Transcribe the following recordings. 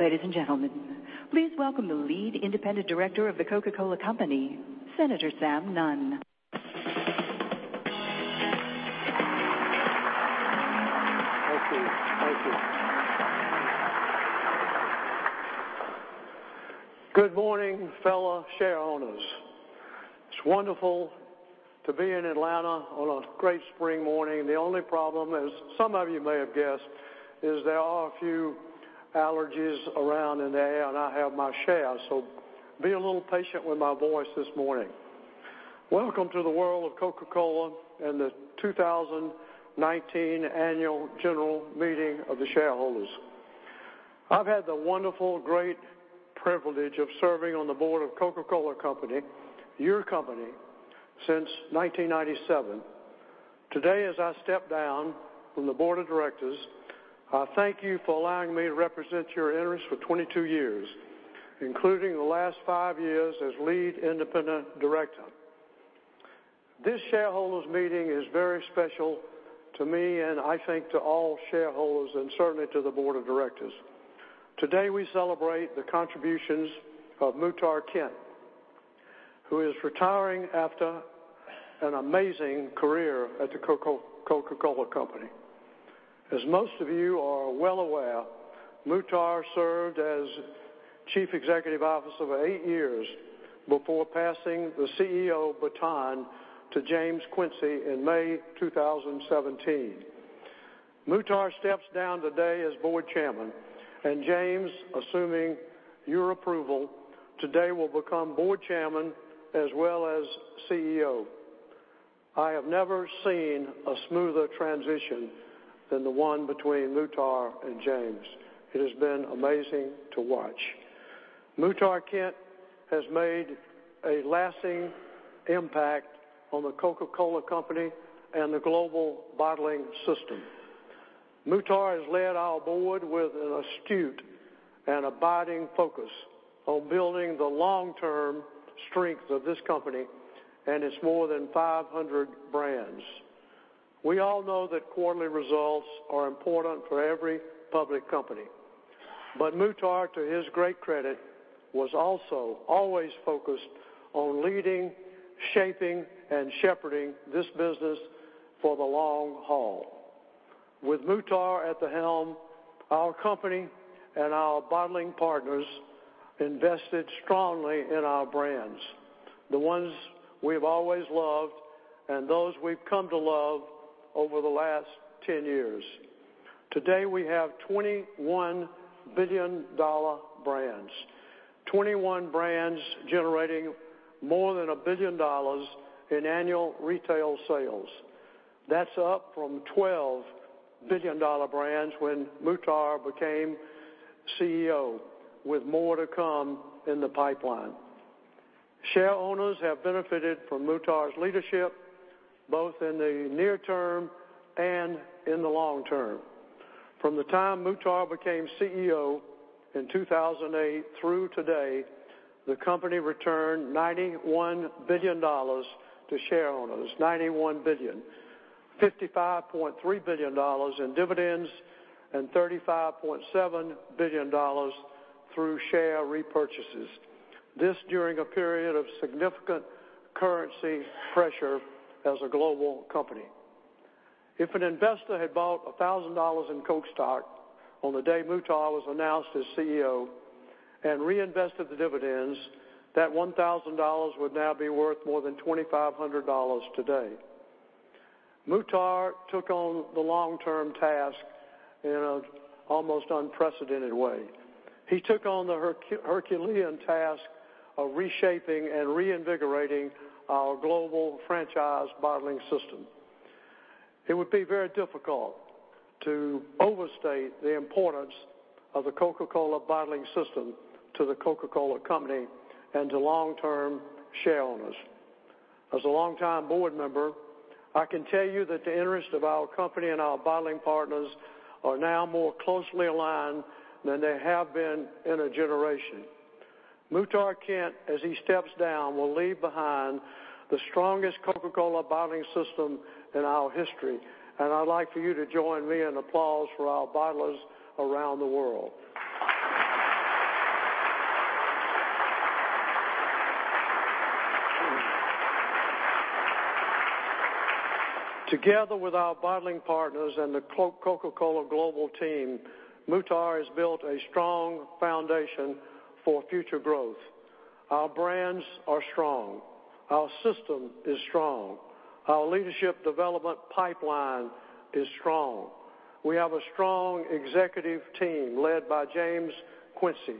Ladies and gentlemen, please welcome the Lead Independent Director of The Coca-Cola Company, Senator Sam Nunn. Thank you. Thank you. Good morning, fellow shareowners. It is wonderful to be in Atlanta on a great spring morning. The only problem, as some of you may have guessed, is there are a few allergies around in the air, and I have my share. Be a little patient with my voice this morning. Welcome to the world of Coca-Cola and the 2019 Annual General Meeting of the Shareowners. I have had the wonderful, great privilege of serving on the board of The Coca-Cola Company, your company, since 1997. Today, as I step down from the board of directors, I thank you for allowing me to represent your interests for 22 years, including the last five years as Lead Independent Director. This shareowners meeting is very special to me and I think to all shareowners and certainly to the board of directors. Today, we celebrate the contributions of Muhtar Kent, who is retiring after an amazing career at The Coca-Cola Company. As most of you are well aware, Muhtar served as Chief Executive Officer for eight years before passing the CEO baton to James Quincey in May 2017. Muhtar steps down today as Board Chairman, and James, assuming your approval, today will become Board Chairman as well as CEO. I have never seen a smoother transition than the one between Muhtar and James. It has been amazing to watch. Muhtar Kent has made a lasting impact on The Coca-Cola Company and the global bottling system. Muhtar has led our board with an astute and abiding focus on building the long-term strength of this company and its more than 500 brands. We all know that quarterly results are important for every public company. Muhtar, to his great credit, was also always focused on leading, shaping, and shepherding this business for the long haul. With Muhtar at the helm, our company and our bottling partners invested strongly in our brands, the ones we have always loved and those we have come to love over the last 10 years. Today, we have 21 billion-dollar brands, 21 brands generating more than $1 billion in annual retail sales. That is up from 12 billion-dollar brands when Muhtar became CEO, with more to come in the pipeline. Shareowners have benefited from Muhtar's leadership, both in the near term and in the long term. From the time Muhtar became CEO in 2008 through today, the company returned $91 billion to shareowners, $91 billion, $55.3 billion in dividends and $35.7 billion through share repurchases. This during a period of significant currency pressure as a global company. If an investor had bought $1,000 in Coke stock on the day Muhtar was announced as CEO and reinvested the dividends, that $1,000 would now be worth more than $2,500 today. Muhtar took on the long-term task in an almost unprecedented way. He took on the Herculean task of reshaping and reinvigorating our global franchise bottling system. It would be very difficult to overstate the importance of the Coca-Cola Bottling system to The Coca-Cola Company and to long-term shareowners. As a long-time board member, I can tell you that the interests of our company and our bottling partners are now more closely aligned than they have been in a generation. Muhtar Kent, as he steps down, will leave behind the strongest Coca-Cola Bottling system in our history, and I'd like for you to join me in applause for our bottlers around the world. Together with our bottling partners and the Coca-Cola global team, Muhtar has built a strong foundation for future growth. Our brands are strong. Our system is strong. Our leadership development pipeline is strong. We have a strong executive team led by James Quincey.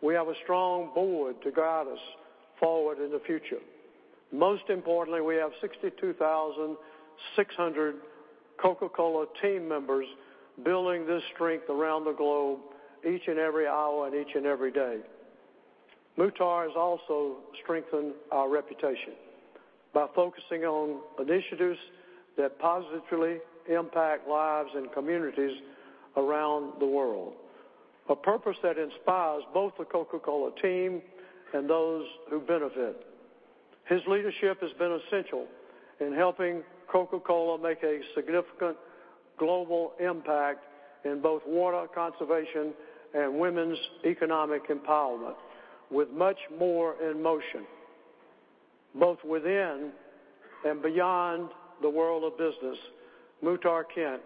We have a strong board to guide us forward in the future. Most importantly, we have 62,600 Coca-Cola team members building this strength around the globe each and every hour and each and every day. Muhtar has also strengthened our reputation by focusing on initiatives that positively impact lives and communities around the world. A purpose that inspires both the Coca-Cola team and those who benefit. His leadership has been essential in helping Coca-Cola make a significant global impact in both water conservation and women's economic empowerment, with much more in motion. Both within and beyond the world of business, Muhtar Kent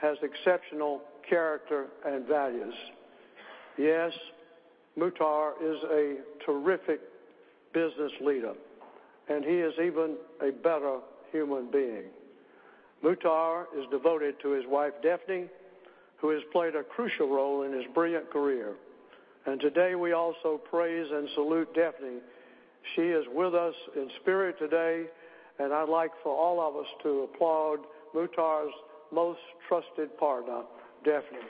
has exceptional character and values. Yes, Muhtar is a terrific business leader, and he is even a better human being. Muhtar is devoted to his wife, Defne, who has played a crucial role in his brilliant career. Today, we also praise and salute Defne. She is with us in spirit today, and I'd like for all of us to applaud Muhtar's most trusted partner, Defne.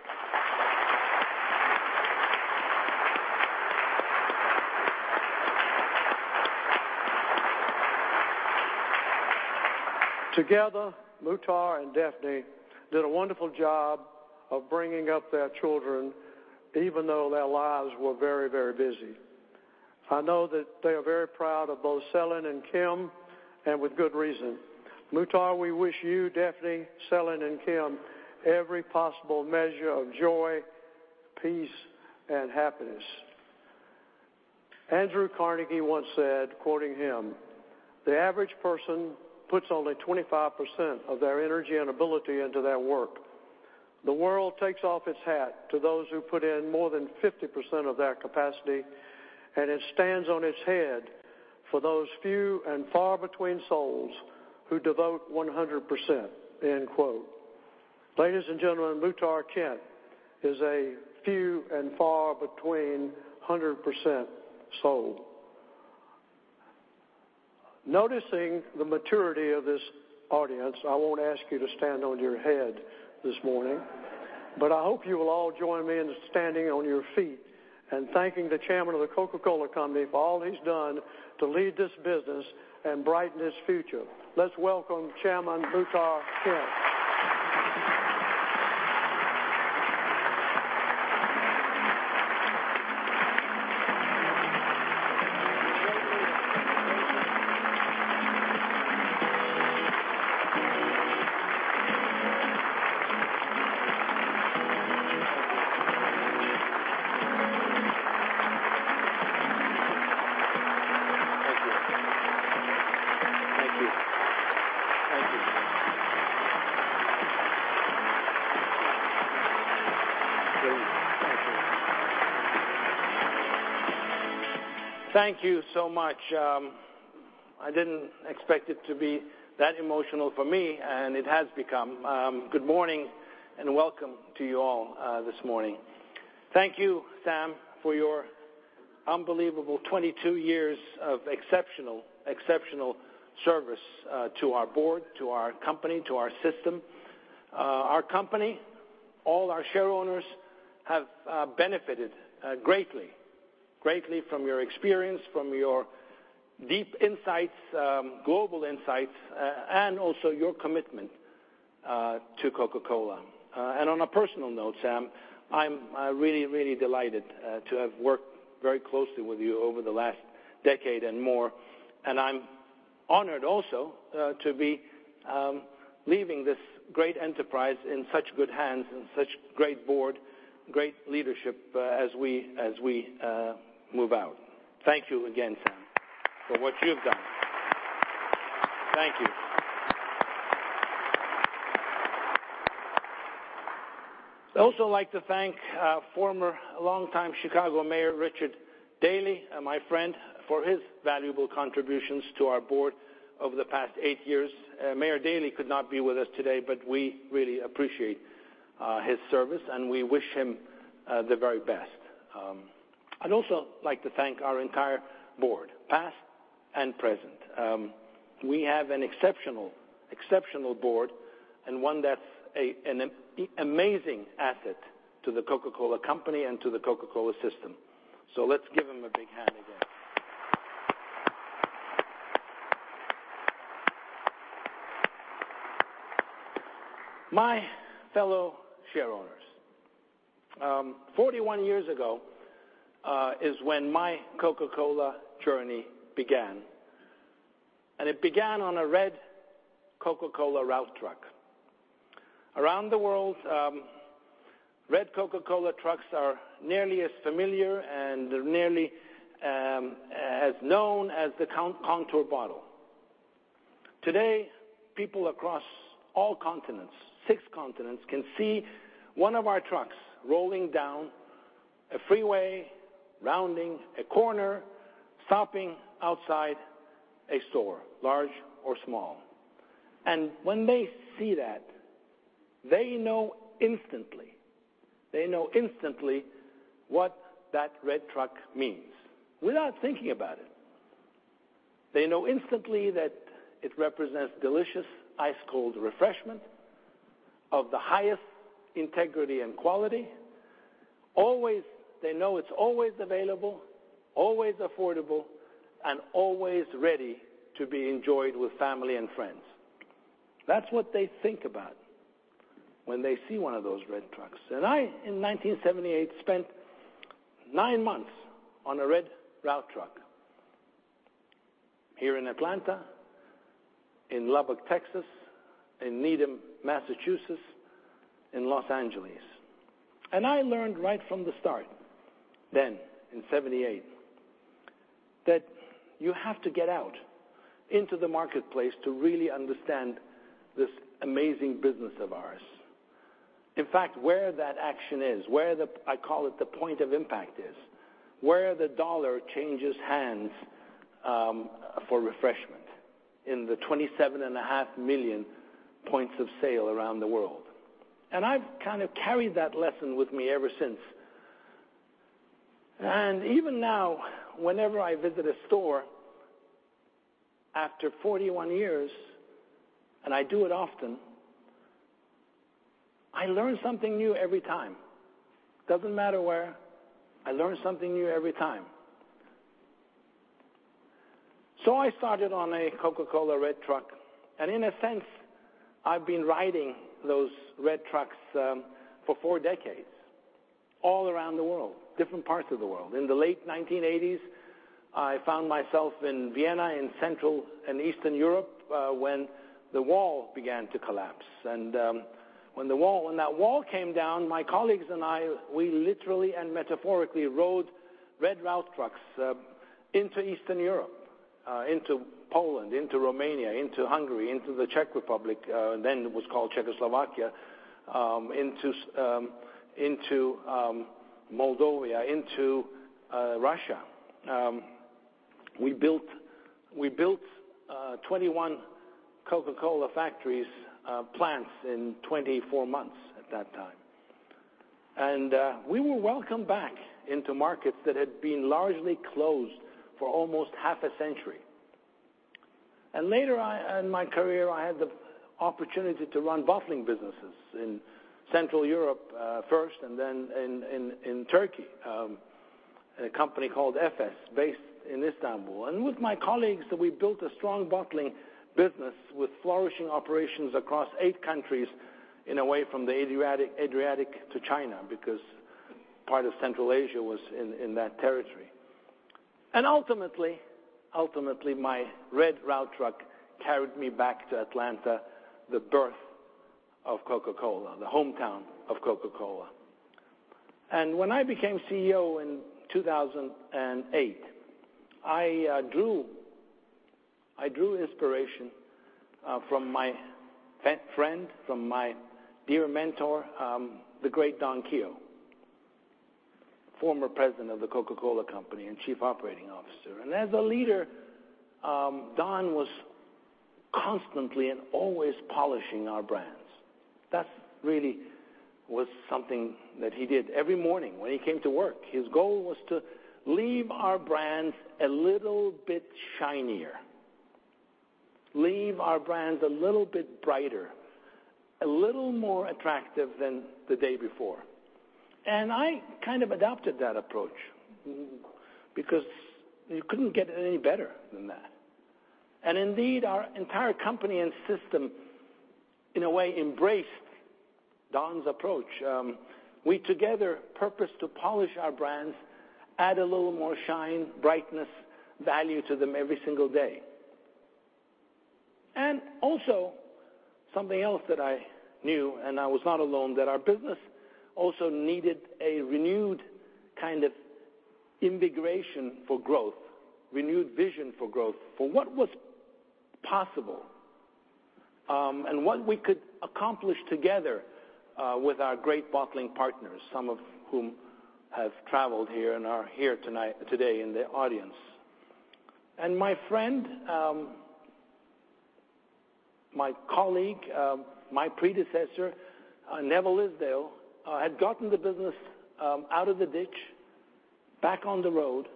Together, Muhtar and Defne did a wonderful job of bringing up their children, even though their lives were very, very busy. I know that they are very proud of both Selin and Cem, and with good reason. Muhtar, we wish you, Defne, Selin, and Cem every possible measure of joy, peace, and happiness. Andrew Carnegie once said, quoting him, "The average person puts only 25% of their energy and ability into their work. The world takes off its hat to those who put in more than 50% of their capacity, and it stands on its head for those few and far between souls who devote 100%." End quote. Ladies and gentlemen, Muhtar Kent is a few and far between 100% soul. Noticing the maturity of this audience, I won't ask you to stand on your head this morning, but I hope you will all join me in standing on your feet and thanking the Chairman of The Coca-Cola Company for all he's done to lead this business and brighten its future. Let's welcome Chairman Muhtar Kent. Thank you. Thank you. Thank you. Thank you. Thank you. Thank you so much. I didn't expect it to be that emotional for me, and it has become. Good morning, welcome to you all this morning. Thank you, Sam, for your unbelievable 22 years of exceptional service to our board, to our company, to our system. Our company, all our share owners have benefited greatly from your experience, from your deep insights, global insights, and also your commitment to Coca-Cola. On a personal note, Sam, I'm really, really delighted to have worked very closely with you over the last decade and more, I'm honored also to be leaving this great enterprise in such good hands, in such great board, great leadership as we move out. Thank you again, Sam, for what you've done. Thank you. I'd also like to thank former longtime Chicago Mayor Richard Daley, my friend, for his valuable contributions to our board over the past eight years. Mayor Daley could not be with us today, we really appreciate his service, we wish him the very best. I'd also like to thank our entire board, past and present. We have an exceptional board, one that's an amazing asset to The Coca-Cola Company and to the Coca-Cola system. Let's give them a big hand again. My fellow share owners, 41 years ago is when my Coca-Cola journey began, it began on a red Coca-Cola route truck. Around the world, red Coca-Cola trucks are nearly as familiar and nearly as known as the contour bottle. Today, people across all continents, six continents, can see one of our trucks rolling down a freeway, rounding a corner, stopping outside a store, large or small. When they see that, they know instantly what that red truck means without thinking about it. They know instantly that it represents delicious ice-cold refreshment of the highest integrity and quality. They know it's always available, always affordable, and always ready to be enjoyed with family and friends. That's what they think about when they see one of those red trucks. I, in 1978, spent nine months on a red route truck here in Atlanta, in Lubbock, Texas, in Needham, Massachusetts, in Los Angeles. I learned right from the start, then in '78, that you have to get out into the marketplace to really understand this amazing business of ours. In fact, where that action is, where the, I call it, the point of impact is, where the dollar changes hands, for refreshment in the $27.5 million points of sale around the world. I've kind of carried that lesson with me ever since. Even now, whenever I visit a store after 41 years, I do it often, I learn something new every time. Doesn't matter where, I learn something new every time. I started on a Coca-Cola red truck, in a sense, I've been riding those red trucks for four decades all around the world, different parts of the world. In the late 1980s, I found myself in Vienna, in Central and Eastern Europe, when the wall began to collapse. When that wall came down, my colleagues and I, we literally and metaphorically rode red route trucks into Eastern Europe, into Poland, into Romania, into Hungary, into the Czech Republic, then it was called Czechoslovakia, into Moldova, into Russia. We built 21 Coca-Cola factories, plants in 24 months at that time. We were welcomed back into markets that had been largely closed for almost half a century. Later in my career, I had the opportunity to run bottling businesses in Central Europe, first and then in Turkey, in a company called Efes, based in Istanbul. With my colleagues, we built a strong bottling business with flourishing operations across eight countries, in a way, from the Adriatic to China, because part of Central Asia was in that territory. Ultimately, my red route truck carried me back to Atlanta, the birth of Coca-Cola, the hometown of Coca-Cola. When I became CEO in 2008, I drew inspiration from my friend, from my dear mentor, the great Don Keough, former president of The Coca-Cola Company and chief operating officer. As a leader, Don was constantly and always polishing our brands. That really was something that he did every morning when he came to work. His goal was to leave our brands a little bit shinier, leave our brands a little bit brighter, a little more attractive than the day before. I kind of adopted that approach because you couldn't get it any better than that. Indeed, our entire company and system, in a way, embraced Don's approach. We together purposed to polish our brands, add a little more shine, brightness, value to them every single day. Also, something else that I knew, and I was not alone, that our business also needed a renewed kind of integration for growth, renewed vision for growth, for what was possible, and what we could accomplish together, with our great bottling partners, some of whom have traveled here and are here today in the audience. My friend, my colleague, my predecessor, Neville Isdell, had gotten the business out of the ditch back on the road,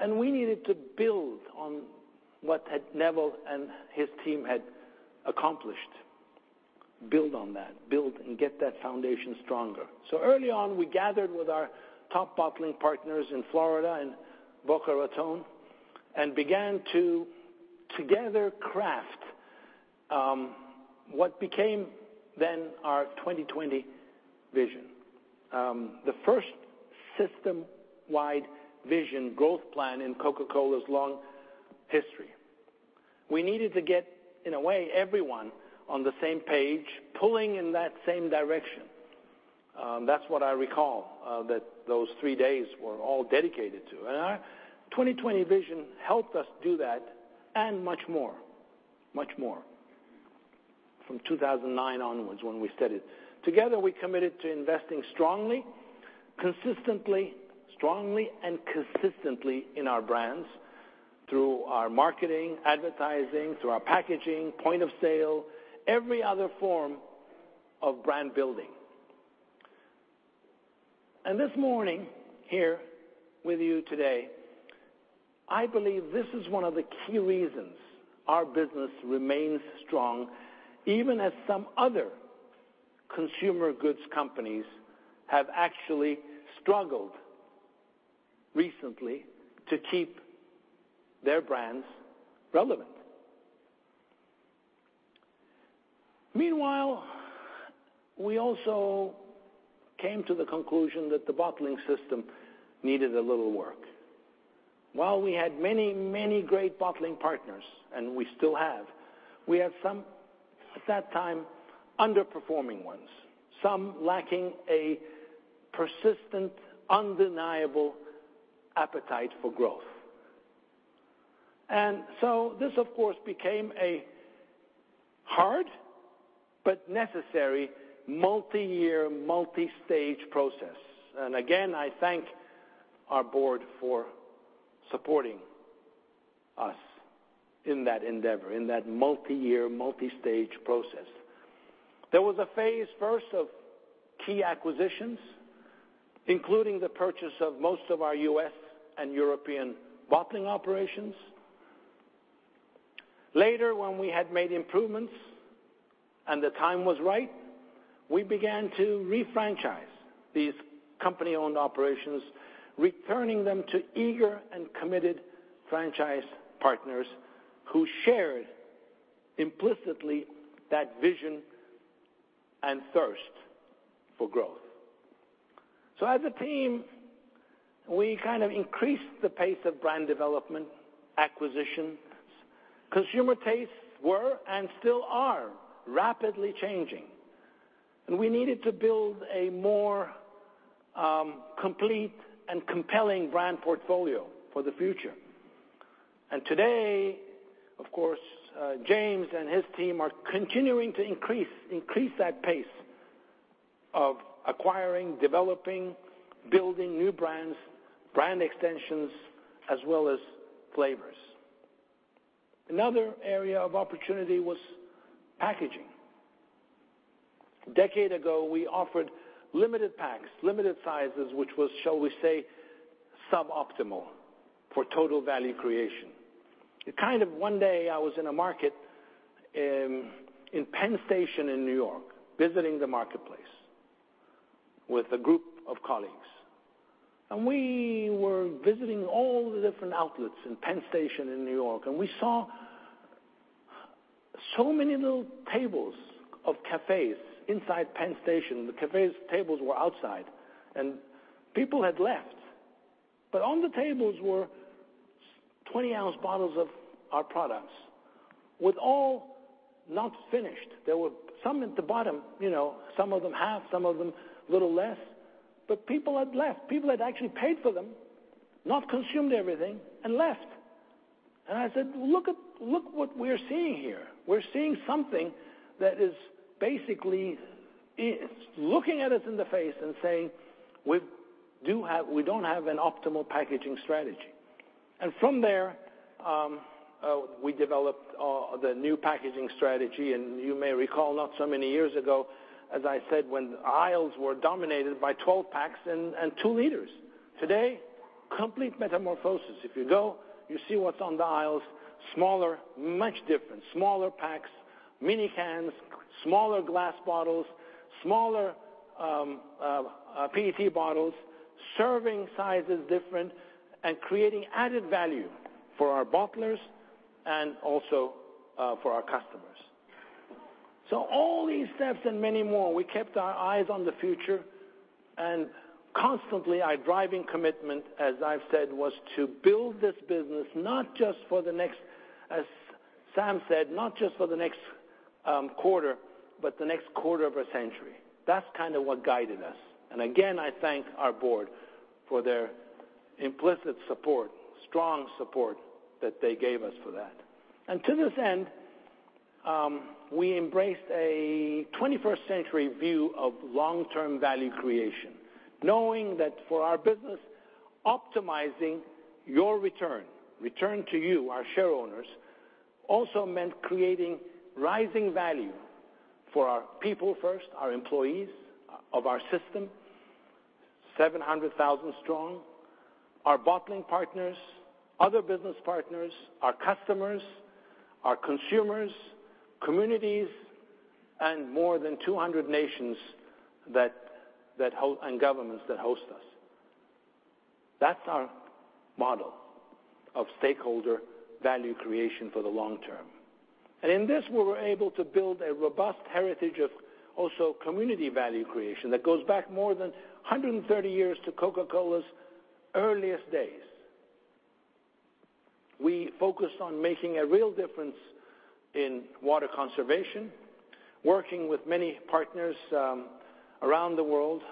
and we needed to build on what Neville and his team had accomplished. Build on that. Build and get that foundation stronger. Early on, we gathered with our top bottling partners in Florida, in Boca Raton, and began to together craft what became then our 2020 Vision. The first system-wide vision growth plan in Coca-Cola's long history. We needed to get, in a way, everyone on the same page, pulling in that same direction. That's what I recall, that those three days were all dedicated to. Our 2020 Vision helped us do that and much more. From 2009 onwards when we set it. Together, we committed to investing strongly, consistently, strongly, and consistently in our brands through our marketing, advertising, through our packaging, point of sale, every other form of brand building. This morning, here with you today, I believe this is one of the key reasons our business remains strong, even as some other consumer goods companies have actually struggled recently to keep their brands relevant. Meanwhile, we also came to the conclusion that the bottling system needed a little work. While we had many, many great bottling partners, and we still have, we had some, at that time, underperforming ones, some lacking a persistent, undeniable appetite for growth. This, of course, became a hard but necessary multi-year, multi-stage process. Again, I thank our board for supporting us in that endeavor, in that multi-year, multi-stage process. There was a phase, first of key acquisitions, including the purchase of most of our U.S. and European bottling operations. Later, when we had made improvements and the time was right, we began to refranchise these company-owned operations, returning them to eager and committed franchise partners who shared implicitly that vision and thirst for growth. As a team, we kind of increased the pace of brand development, acquisitions. Consumer tastes were and still are rapidly changing. We needed to build a more complete and compelling brand portfolio for the future. Today, of course, James and his team are continuing to increase that pace of acquiring, developing, building new brands, brand extensions, as well as flavors. Another area of opportunity was packaging. A decade ago, we offered limited packs, limited sizes, which was, shall we say, suboptimal for total value creation. Kind of one day, I was in a market in Penn Station in New York, visiting the marketplace with a group of colleagues, and we were visiting all the different outlets in Penn Station in New York, and we saw so many little tables of cafes inside Penn Station. The cafe's tables were outside and people had left. On the tables were 20-ounce bottles of our products with all not finished. There were some at the bottom, some of them half, some of them a little less. People had left. People had actually paid for them, not consumed everything and left. I said, "Look what we're seeing here. We're seeing something that is basically looking at us in the face and saying, we don't have an optimal packaging strategy." From there, we developed the new packaging strategy. You may recall, not so many years ago, as I said, when aisles were dominated by 12-packs and 2 liters. Today, complete metamorphosis. If you go, you see what's on the aisles. Smaller, much different. Smaller packs, mini cans, smaller glass bottles, smaller PET bottles, serving sizes different and creating added value for our bottlers and also for our customers. All these steps and many more, we kept our eyes on the future. Constantly, our driving commitment, as I've said, was to build this business not just for the next, as Sam said, not just for the next quarter, but the next quarter of a century. That's kind of what guided us. Again, I thank our board for their implicit support, strong support that they gave us for that. To this end, we embraced a 21st-century view of long-term value creation, knowing that for our business, optimizing your return to you, our shareholders, also meant creating rising value for our people first, our employees of our system, 700,000 strong, our bottling partners, other business partners, our customers, our consumers, communities, and more than 200 nations and governments that host us. That's our model of stakeholder value creation for the long term. In this, we were able to build a robust heritage of also community value creation that goes back more than 130 years to Coca-Cola's earliest days. We focused on making a real difference in water conservation. Working with many partners around the world,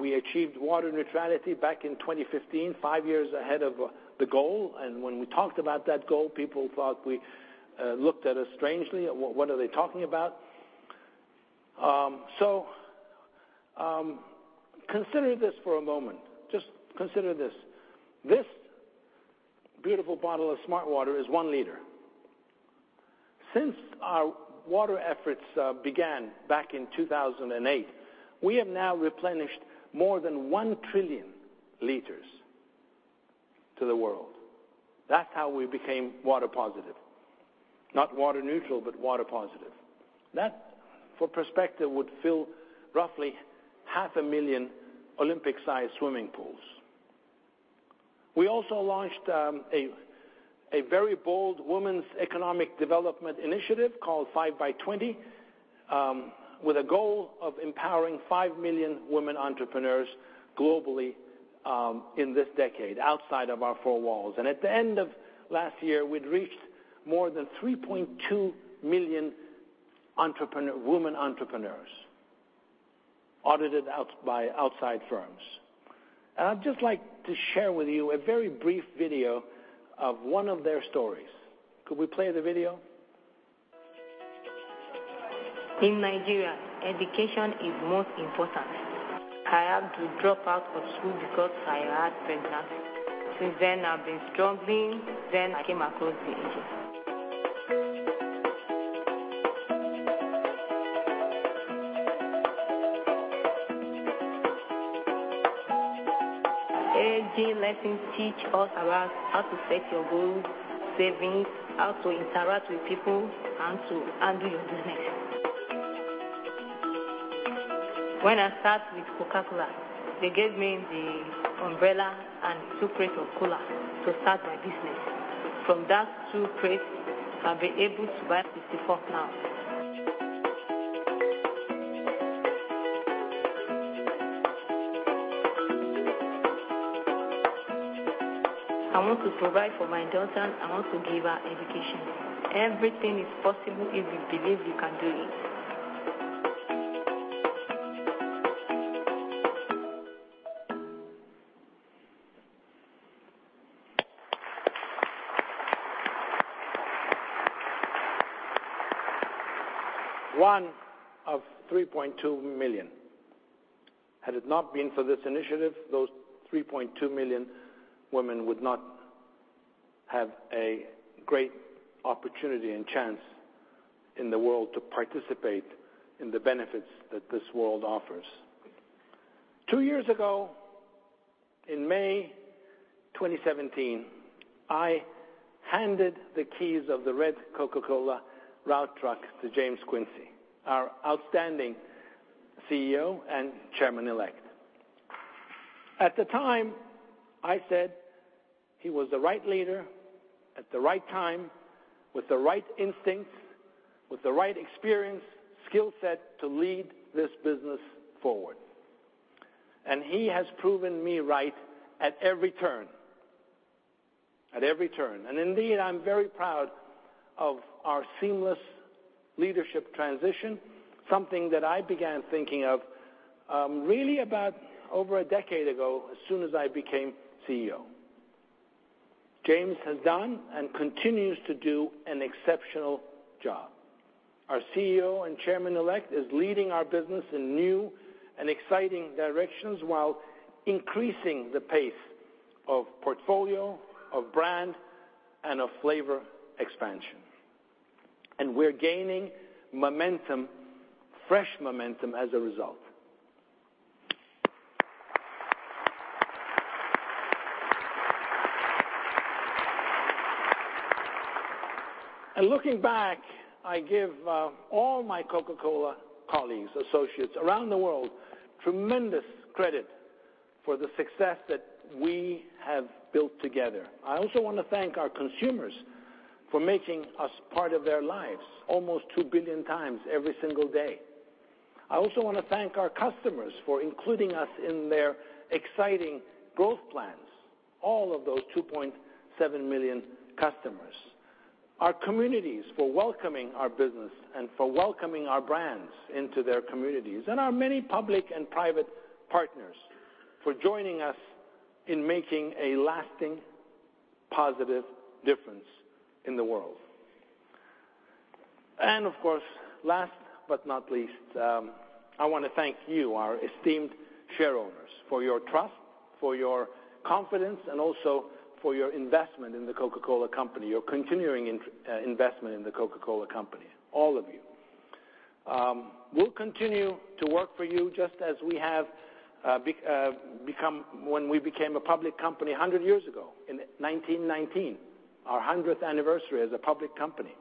we achieved water neutrality back in 2015, five years ahead of the goal. When we talked about that goal, people thought we looked at us strangely. "What are they talking about?" Consider this for a moment. Just consider this. This beautiful bottle of smartwater is one liter. Since our water efforts began back in 2008, we have now replenished more than one trillion liters to the world. That's how we became water positive. Not water neutral, but water positive. That, for perspective, would fill roughly half a million Olympic-sized swimming pools. We also launched a very bold women's economic development initiative called 5by20, with a goal of empowering five million women entrepreneurs globally in this decade, outside of our four walls. At the end of last year, we'd reached more than 3.2 million women entrepreneurs audited out by outside firms. I'd just like to share with you a very brief video of one of their stories. Could we play the video? In Nigeria, education is most important. I had to drop out of school because I had pregnant. Since then, I've been struggling. I came across the AG. AG lessons teach us about how to set your goals, savings, how to interact with people, and to handle your business. When I start with Coca-Cola, they gave me the umbrella and two crates of Cola to start my business. From that two crates, I've been able to buy 54 now. I want to provide for my daughter. I want to give her education. Everything is possible if you believe you can do it. One of 3.2 million. Had it not been for this initiative, those 3.2 million women would not have a great opportunity and chance in the world to participate in the benefits that this world offers. Two years ago, in May 2017, I handed the keys of the red Coca-Cola route truck to James Quincey, our outstanding CEO and Chairman Elect. At the time, I said he was the right leader at the right time with the right instincts, with the right experience, skill set to lead this business forward. He has proven me right at every turn. At every turn. Indeed, I'm very proud of our seamless leadership transition, something that I began thinking of really about over a decade ago, as soon as I became CEO. James has done and continues to do an exceptional job. Our CEO and Chairman Elect is leading our business in new and exciting directions while increasing the pace of portfolio, of brand, and of flavor expansion. We're gaining momentum, fresh momentum as a result. Looking back, I give all my Coca-Cola colleagues, associates around the world, tremendous credit for the success that we have built together. I also want to thank our consumers for making us part of their lives almost 2 billion times every single day. I also want to thank our customers for including us in their exciting growth plans, all of those 2.7 million customers, our communities for welcoming our business and for welcoming our brands into their communities, and our many public and private partners for joining us in making a lasting, positive difference in the world. Of course, last but not least, I want to thank you, our esteemed shareholders, for your trust, for your confidence, and also for your investment in The Coca-Cola Company, your continuing investment in The Coca-Cola Company, all of you. We'll continue to work for you just as we have when we became a public company 100 years ago in 1919, our 100th anniversary as a public company.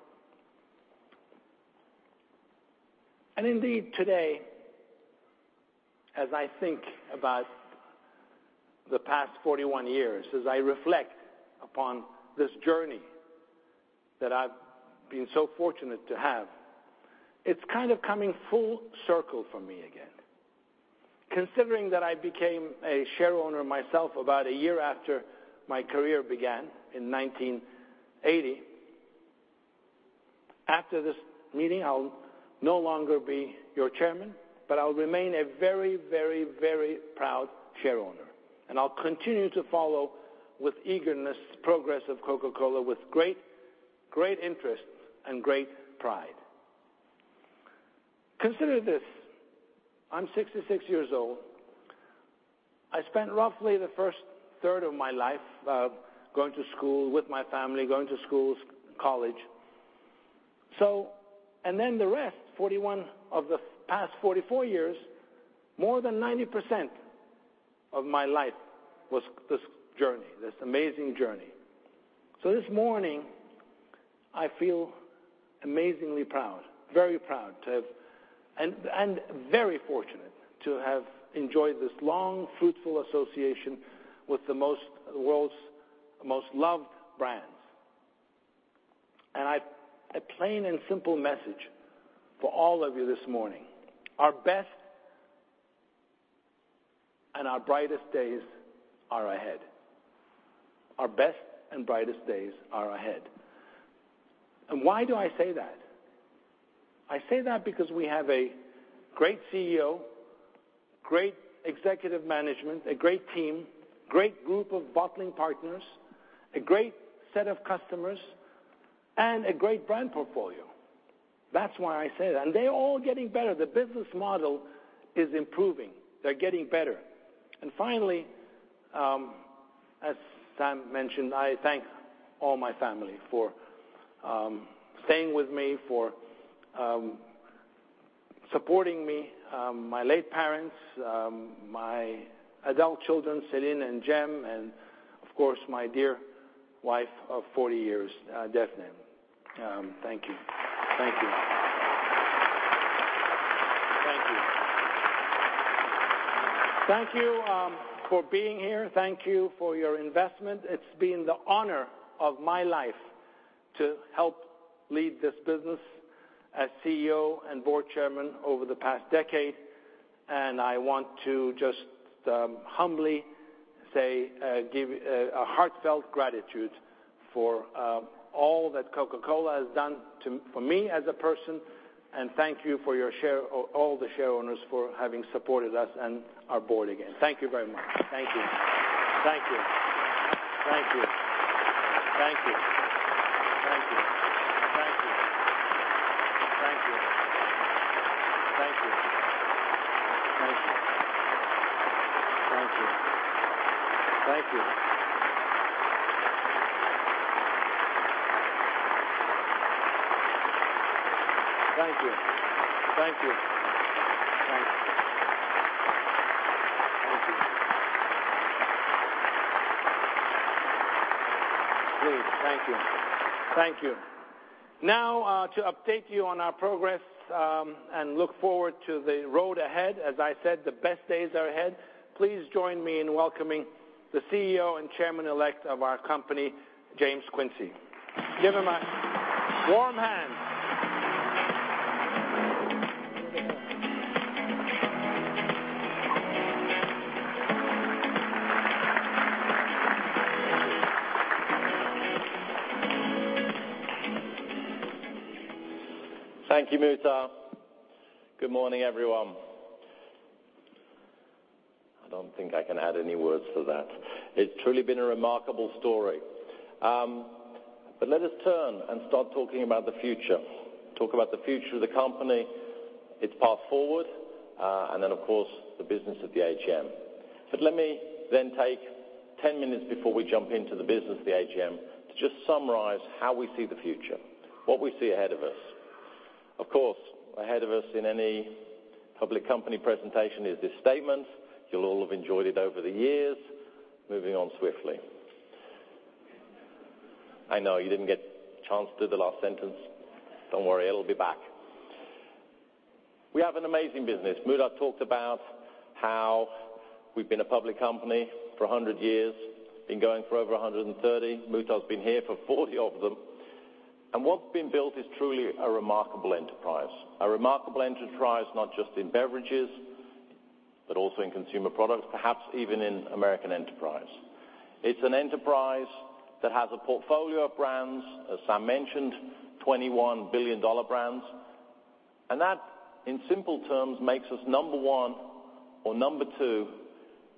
Indeed, today, as I think about the past 41 years, as I reflect upon this journey that I've been so fortunate to have, it's kind of coming full circle for me again. Considering that I became a shareowner myself about a year after my career began in 1980. After this meeting, I'll no longer be your Chairman, but I'll remain a very proud shareowner, and I'll continue to follow with eagerness progress of Coca-Cola with great interest and great pride. Consider this. I'm 66 years old. I spent roughly the first third of my life going to school with my family, going to schools, college. Then the rest, 41 of the past 44 years, more than 90% of my life was this journey, this amazing journey. This morning, I feel amazingly proud, very proud to have and very fortunate to have enjoyed this long, fruitful association with the most, world's most loved brands. I've a plain and simple message for all of you this morning. Our best and our brightest days are ahead. Our best and brightest days are ahead. Why do I say that? I say that because we have a great CEO, great executive management, a great team, great group of bottling partners, a great set of customers, and a great brand portfolio. That's why I say that. They're all getting better. The business model is improving. They're getting better. Finally, as Sam mentioned, I thank all my family for staying with me, for supporting me. My late parents, my adult children, Selin and Cem, and of course, my dear wife of 40 years, Defne. Thank you. Thank you. Thank you. Thank you for being here. Thank you for your investment. It's been the honor of my life to help lead this business as CEO and Board Chairman over the past decade. I want to just humbly say, give a heartfelt gratitude for all that Coca-Cola has done for me as a person, and thank you for all the shareholders for having supported us and our board again. Thank you very much. Thank you. Thank you. Thank you. Thank you. Thank you. Thank you. Thank you. Thank you. Thank you. Thank you. Thank you. Thank you. Thank you. Thank you. Please, thank you. Thank you. To update you on our progress, and look forward to the road ahead, as I said, the best days are ahead. Please join me in welcoming the CEO and Chairman-elect of our company, James Quincey. Give him a warm hand. Thank you, Muhtar. Good morning, everyone. I don't think I can add any words to that. It's truly been a remarkable story. Let us turn and start talking about the future. Talk about the future of the company, its path forward, and then, of course, the business of the AGM. Let me then take 10 minutes before we jump into the business of the AGM to just summarize how we see the future, what we see ahead of us. Of course, ahead of us in any public company presentation is this statement. You'll all have enjoyed it over the years. Moving on swiftly. I know you didn't get a chance to do the last sentence. Don't worry, it'll be back. We have an amazing business. Muhtar talked about how we've been a public company for 100 years, been going for over 130. Muhtar's been here for 40 of them. What's been built is truly a remarkable enterprise. A remarkable enterprise, not just in beverages, but also in consumer products, perhaps even in American enterprise. It's an enterprise that has a portfolio of brands, as Sam mentioned, $21 billion brands. That, in simple terms, makes us number one or number two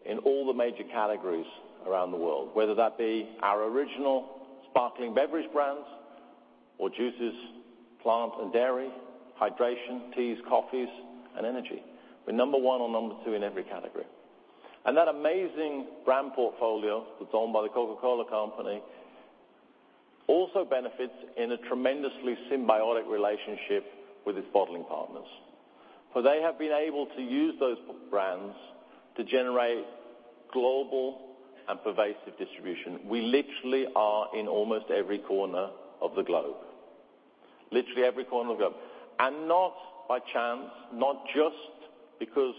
in all the major categories around the world, whether that be our original sparkling beverage brands or juices, plant and dairy, hydration, teas, coffees, and energy. We're number one or number two in every category. That amazing brand portfolio that's owned by The Coca-Cola Company also benefits in a tremendously symbiotic relationship with its bottling partners, for they have been able to use those brands to generate global and pervasive distribution. We literally are in almost every corner of the globe. Literally every corner of the globe. Not by chance, not just because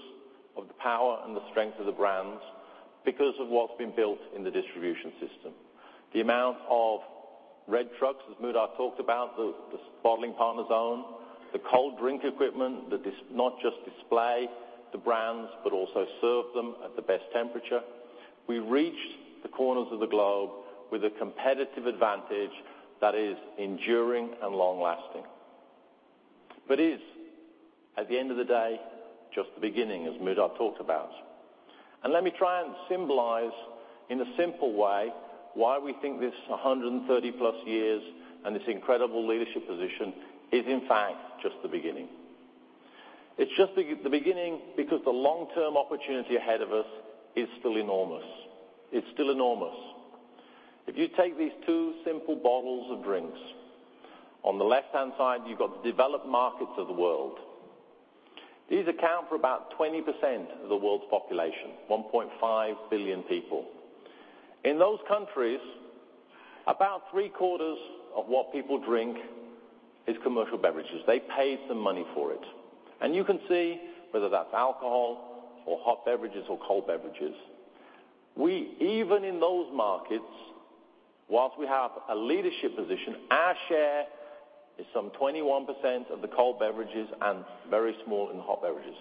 of the power and the strength of the brands, because of what's been built in the distribution system. The amount of red trucks, as Muhtar talked about, the bottling partners own. The cold drink equipment that does not just display the brands, but also serve them at the best temperature. We reach the corners of the globe with a competitive advantage that is enduring and long-lasting. Is, at the end of the day, just the beginning, as Muhtar talked about. Let me try and symbolize in a simple way why we think this 130-plus years and this incredible leadership position is, in fact, just the beginning. It's just the beginning because the long-term opportunity ahead of us is still enormous. It's still enormous. If you take these two simple bottles of drinks, on the left-hand side, you've got the developed markets of the world. These account for about 20% of the world's population, 1.5 billion people. In those countries, about three-quarters of what people drink is commercial beverages. They paid some money for it. You can see, whether that's alcohol or hot beverages or cold beverages. Even in those markets, whilst we have a leadership position, our share is some 21% of the cold beverages and very small in hot beverages.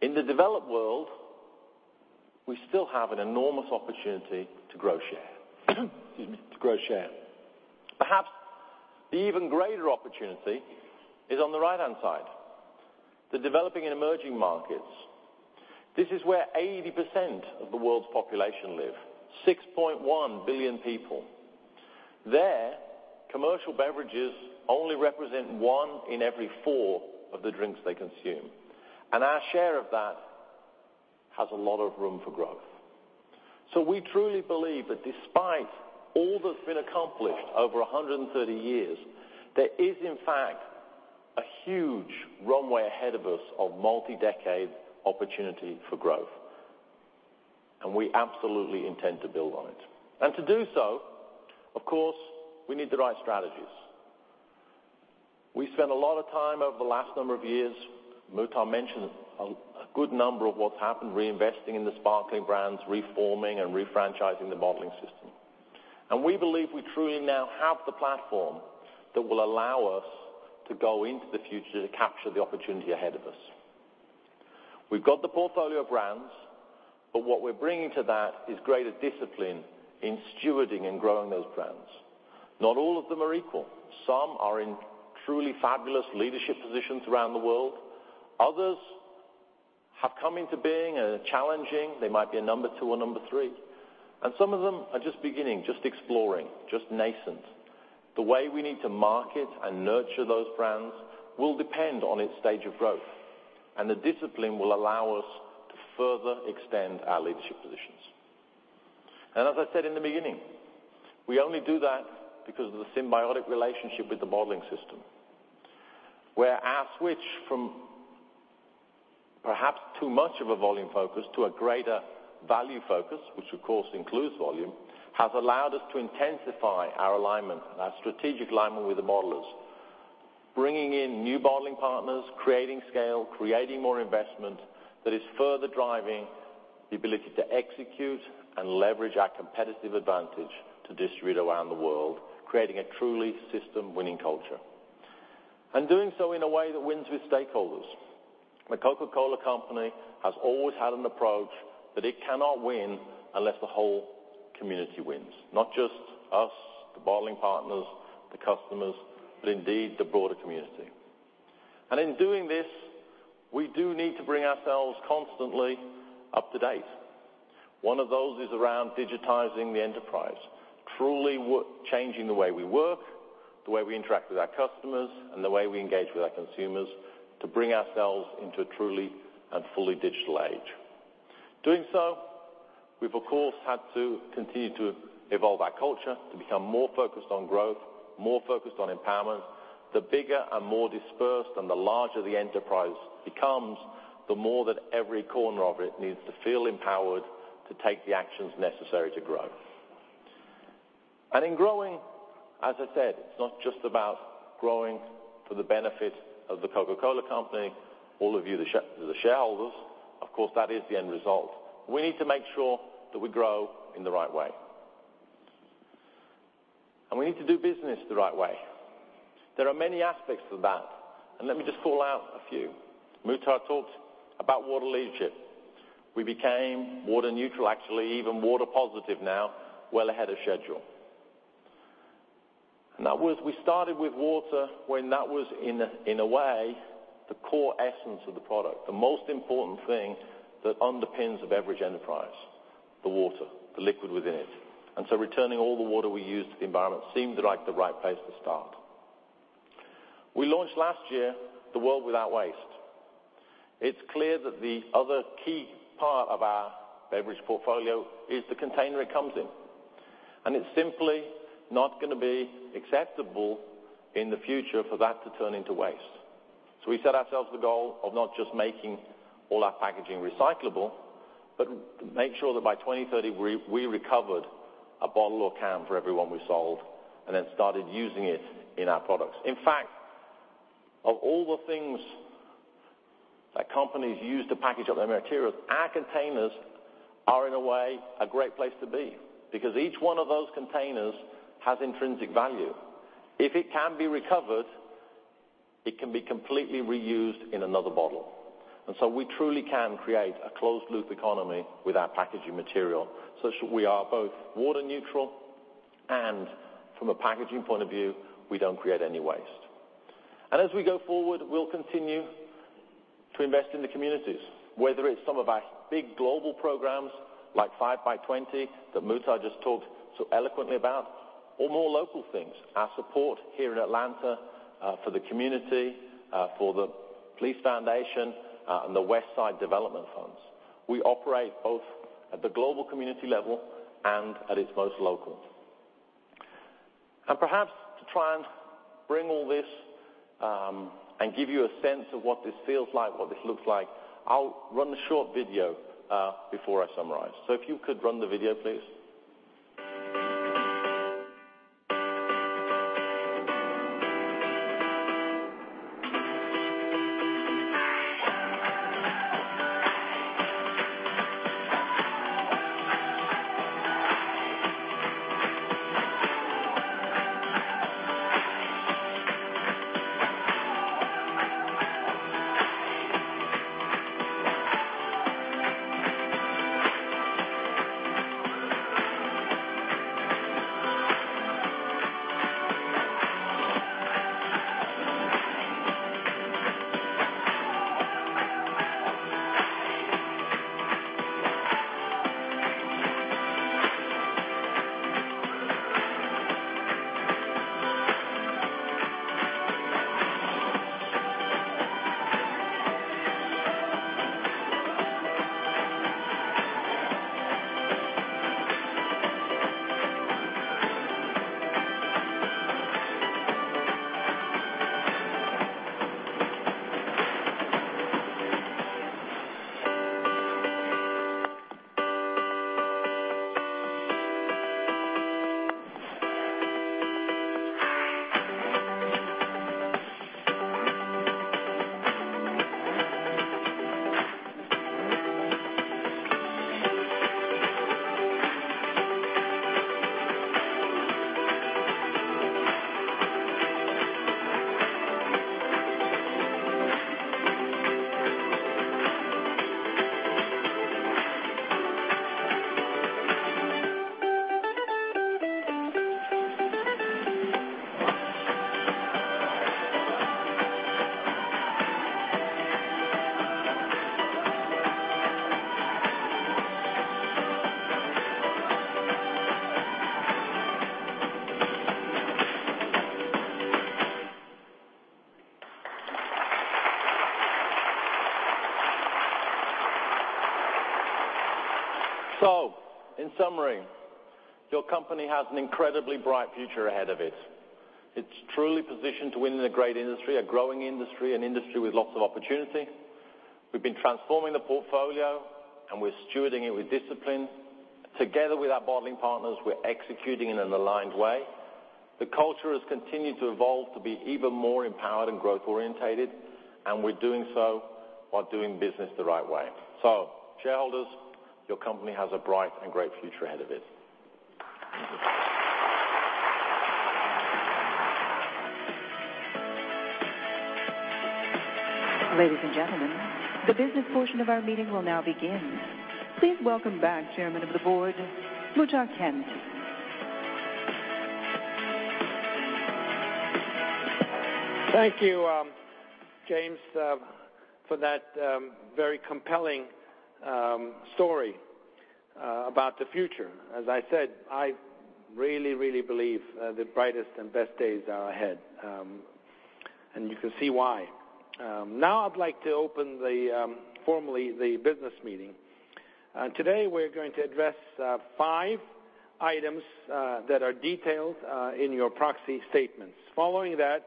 In the developed world, we still have an enormous opportunity to grow share. Perhaps the even greater opportunity is on the right-hand side, the developing and emerging markets. This is where 80% of the world's population live, 6.1 billion people. There, commercial beverages only represent one in every four of the drinks they consume. Our share of that has a lot of room for growth. We truly believe that despite all that's been accomplished over 130 years, there is in fact a huge runway ahead of us of multi-decade opportunity for growth, and we absolutely intend to build on it. To do so, of course, we need the right strategies. We spent a lot of time over the last number of years, Muhtar mentioned a good number of what's happened, reinvesting in the sparkling brands, reforming and refranchising the bottling system. We believe we truly now have the platform that will allow us to go into the future to capture the opportunity ahead of us. We've got the portfolio brands, but what we're bringing to that is greater discipline in stewarding and growing those brands. Not all of them are equal. Some are in truly fabulous leadership positions around the world. Others have come into being and are challenging. They might be a number 2 or number 3, and some of them are just beginning, just exploring, just nascent. The way we need to market and nurture those brands will depend on its stage of growth. The discipline will allow us to further extend our leadership positions. As I said in the beginning, we only do that because of the symbiotic relationship with the bottling system, where our switch from perhaps too much of a volume focus to a greater value focus, which of course includes volume, has allowed us to intensify our alignment and our strategic alignment with the bottlers. Bringing in new bottling partners, creating scale, creating more investment that is further driving the ability to execute and leverage our competitive advantage to distribute around the world, creating a truly system-winning culture. Doing so in a way that wins with stakeholders. The Coca-Cola Company has always had an approach that it cannot win unless the whole community wins. Not just us, the bottling partners, the customers, but indeed the broader community. In doing this, we do need to bring ourselves constantly up to date. One of those is around digitizing the enterprise. Truly changing the way we work, the way we interact with our customers, and the way we engage with our consumers to bring ourselves into a truly and fully digital age. Doing so, we've of course had to continue to evolve our culture to become more focused on growth, more focused on empowerment. The bigger and more dispersed and the larger the enterprise becomes, the more that every corner of it needs to feel empowered to take the actions necessary to grow. In growing, as I said, it's not just about growing for the benefit of The Coca-Cola Company, all of you, the shareholders. Of course, that is the end result. We need to make sure that we grow in the right way. We need to do business the right way. There are many aspects to that, and let me just call out a few. Muhtar talked about water leadership. We became water neutral, actually even water positive now, well ahead of schedule. We started with water when that was, in a way, the core essence of the product. The most important thing that underpins the beverage enterprise, the water, the liquid within it. Returning all the water we use to the environment seemed like the right place to start. We launched last year, the World Without Waste. It's clear that the other key part of our beverage portfolio is the container it comes in. It's simply not going to be acceptable in the future for that to turn into waste. We set ourselves the goal of not just making all our packaging recyclable, but make sure that by 2030, we recovered a bottle or can for every one we sold and then started using it in our products. In fact, of all the things that companies use to package up their materials, our containers are in a way a great place to be because each one of those containers has intrinsic value. If it can be recovered, it can be completely reused in another bottle, and so we truly can create a closed-loop economy with our packaging material, such that we are both water neutral and from a packaging point of view, we don't create any waste. As we go forward, we'll continue to invest in the communities, whether it's some of our big global programs like 5by20 that Muhtar just talked so eloquently about More local things. Our support here in Atlanta for the community, for the Police Foundation, and the Westside Future Fund. We operate both at the global community level and at its most local. Perhaps to try and bring all this and give you a sense of what this feels like, what this looks like, I'll run a short video before I summarize. If you could run the video, please. In summary, your company has an incredibly bright future ahead of it. It's truly positioned to win in a great industry, a growing industry, an industry with lots of opportunity. We've been transforming the portfolio, and we're stewarding it with discipline. Together with our bottling partners, we're executing in an aligned way. The culture has continued to evolve to be even more empowered and growth-orientated, and we're doing so while doing business the right way. Shareholders, your company has a bright and great future ahead of it. Ladies and gentlemen, the business portion of our meeting will now begin. Please welcome back Chairman of the Board, Muhtar Kent. Thank you, James, for that very compelling story about the future. As I said, I really, really believe the brightest and best days are ahead, and you can see why. I'd like to open formally the business meeting. Today, we're going to address five items that are detailed in your proxy statements. Following that,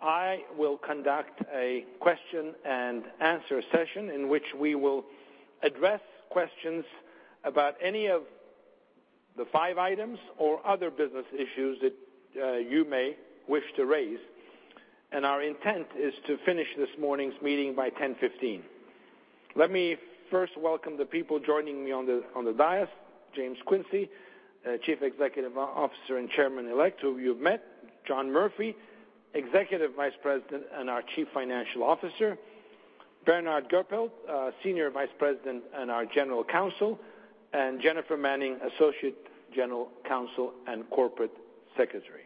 I will conduct a question and answer session in which we will address questions about any of the five items or other business issues that you may wish to raise. Our intent is to finish this morning's meeting by 10:15 A.M. Let me first welcome the people joining me on the dais, James Quincey, Chief Executive Officer and Chairman Elect, who you've met, John Murphy, Executive Vice President and our Chief Financial Officer, Bernhard Goepfert, Senior Vice President and our General Counsel, and Jennifer Manning, Associate General Counsel and Corporate Secretary.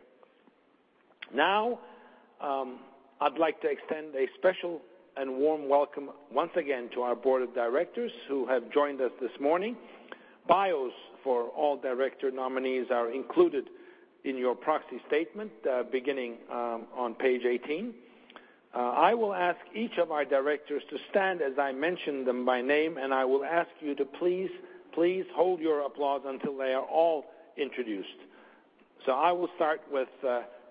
I'd like to extend a special and warm welcome once again to our Board of Directors who have joined us this morning. Bios for all director nominees are included in your proxy statement, beginning on page 18. I will ask each of our directors to stand as I mention them by name, and I will ask you to please hold your applause until they are all introduced. I will start with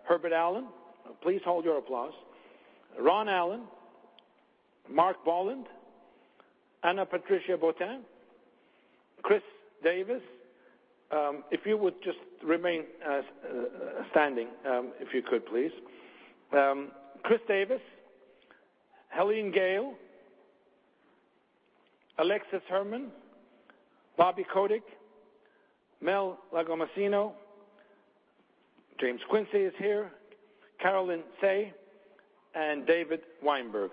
Herbert Allen. Please hold your applause. Ron Allen, Marc Bolland, Ana Patricia Botín, Chris Davis. If you would just remain standing if you could, please. Chris Davis, Helene Gayle, Alexis Herman, Bobby Kotick, Mel Lagomasino. James Quincey is here, Caroline Tsay, and David Weinberg.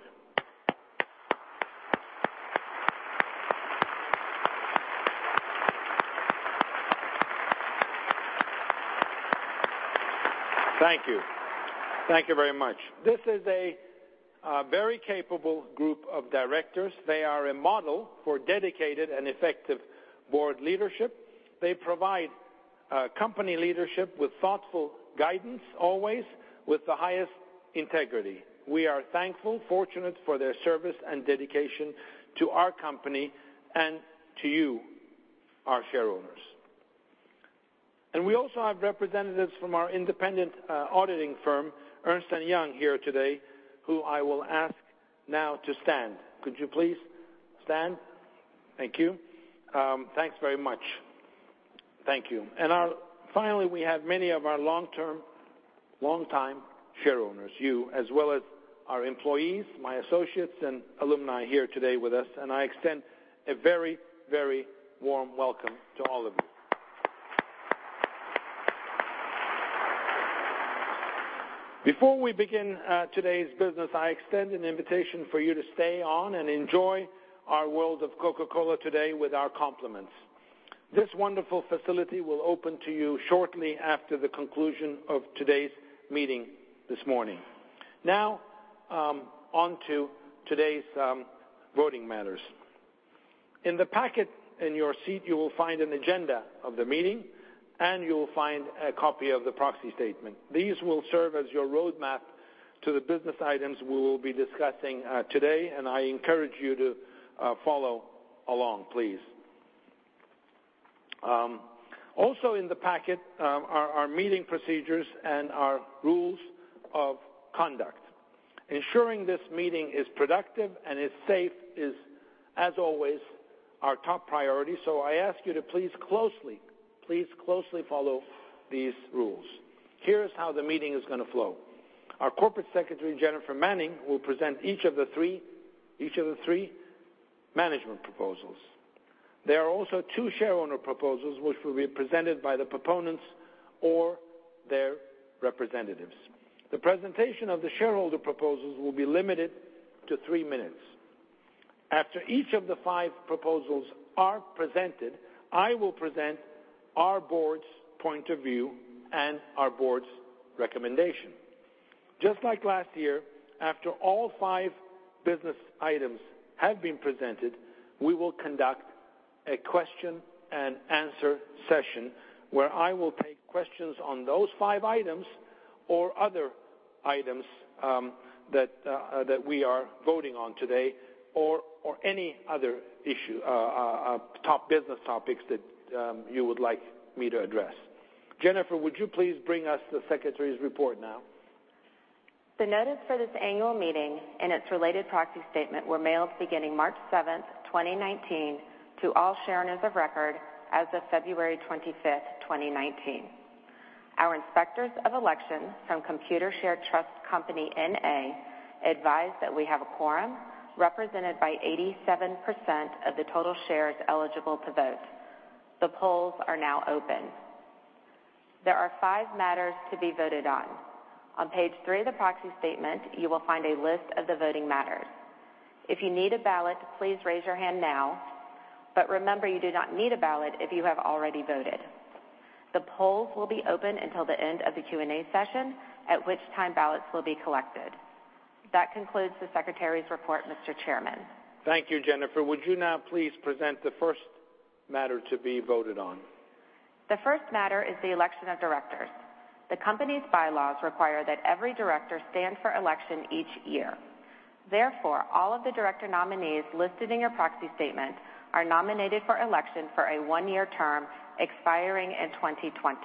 Thank you. Thank you very much. This is a very capable group of directors. They are a model for dedicated and effective board leadership. They provide company leadership with thoughtful guidance, always with the highest integrity. We are thankful, fortunate for their service and dedication to our company and to you, our shareholders. We also have representatives from our independent auditing firm, Ernst & Young, here today, who I will ask now to stand. Could you please stand? Thank you. Thanks very much. Thank you. Finally, we have many of our long-term, long-time shareholders, you, as well as our employees, my associates, and alumni here today with us, and I extend a very, very warm welcome to all of you. Before we begin today's business, I extend an invitation for you to stay on and enjoy our World of Coca-Cola today with our compliments. This wonderful facility will open to you shortly after the conclusion of today's meeting this morning. On to today's voting matters. In the packet in your seat, you will find an agenda of the meeting, and you will find a copy of the proxy statement. These will serve as your roadmap to the business items we will be discussing today, and I encourage you to follow along, please. Also in the packet are our meeting procedures and our rules of conduct. Ensuring this meeting is productive and is safe is, as always, our top priority, so I ask you to please closely follow these rules. Here's how the meeting is going to flow. Our Corporate Secretary, Jennifer Manning, will present each of the three management proposals. There are also two shareholder proposals, which will be presented by the proponents or their representatives. The presentation of the shareholder proposals will be limited to three minutes. After each of the five proposals are presented, I will present our board's point of view and our board's recommendation. Just like last year, after all five business items have been presented, we will conduct a question and answer session where I will take questions on those five items or other items that we are voting on today, or any other top business topics that you would like me to address. Jennifer, would you please bring us the secretary's report now? The notice for this annual meeting and its related proxy statement were mailed beginning March 7, 2019 to all shareholders of record as of February 25, 2019. Our Inspectors of Election from Computershare Trust Company, N.A., advise that we have a quorum represented by 87% of the total shares eligible to vote. The polls are now open. There are five matters to be voted on. On page three of the proxy statement, you will find a list of the voting matters. If you need a ballot, please raise your hand now. Remember, you do not need a ballot if you have already voted. The polls will be open until the end of the Q&A session, at which time ballots will be collected. That concludes the secretary's report, Mr. Chairman. Thank you. Jennifer, would you now please present the first matter to be voted on? The first matter is the election of directors. The company's bylaws require that every director stand for election each year. All of the director nominees listed in your proxy statement are nominated for election for a one-year term expiring in 2020.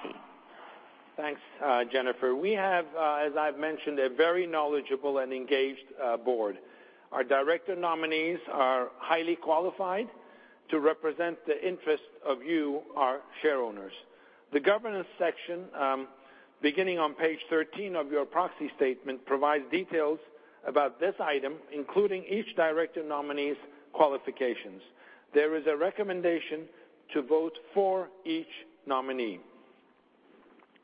Thanks, Jennifer. We have, as I've mentioned, a very knowledgeable and engaged board. Our director nominees are highly qualified to represent the interests of you, our shareholders. The governance section, beginning on page 13 of your proxy statement, provides details about this item, including each director nominee's qualifications. There is a recommendation to vote for each nominee.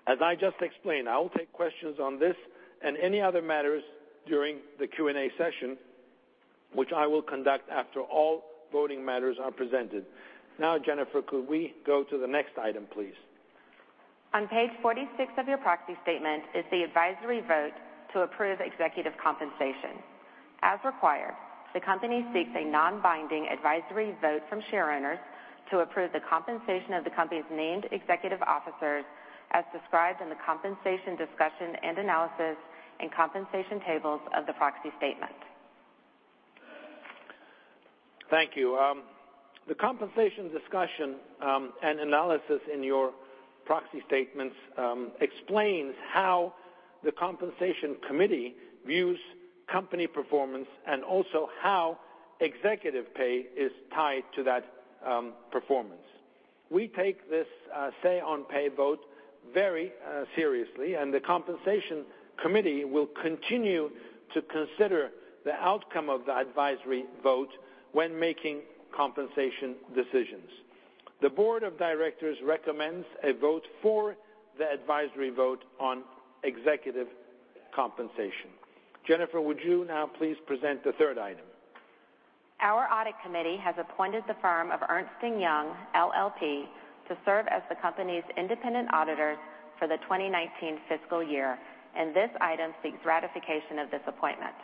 As I just explained, I will take questions on this and any other matters during the Q&A session, which I will conduct after all voting matters are presented. Jennifer, could we go to the next item, please? On page 46 of your proxy statement is the advisory vote to approve executive compensation. As required, the company seeks a non-binding advisory vote from shareholders to approve the compensation of the company's named executive officers as described in the compensation discussion and analysis and compensation tables of the proxy statement. Thank you. The Compensation Committee discussion and analysis in your proxy statements explains how the Compensation Committee views company performance and also how executive pay is tied to that performance. We take this say on pay vote very seriously, and the Compensation Committee will continue to consider the outcome of the advisory vote when making compensation decisions. The board of directors recommends a vote for the advisory vote on executive compensation. Jennifer, would you now please present the third item? Our audit committee has appointed the firm of Ernst & Young LLP to serve as the company's independent auditors for the 2019 fiscal year, and this item seeks ratification of this appointment.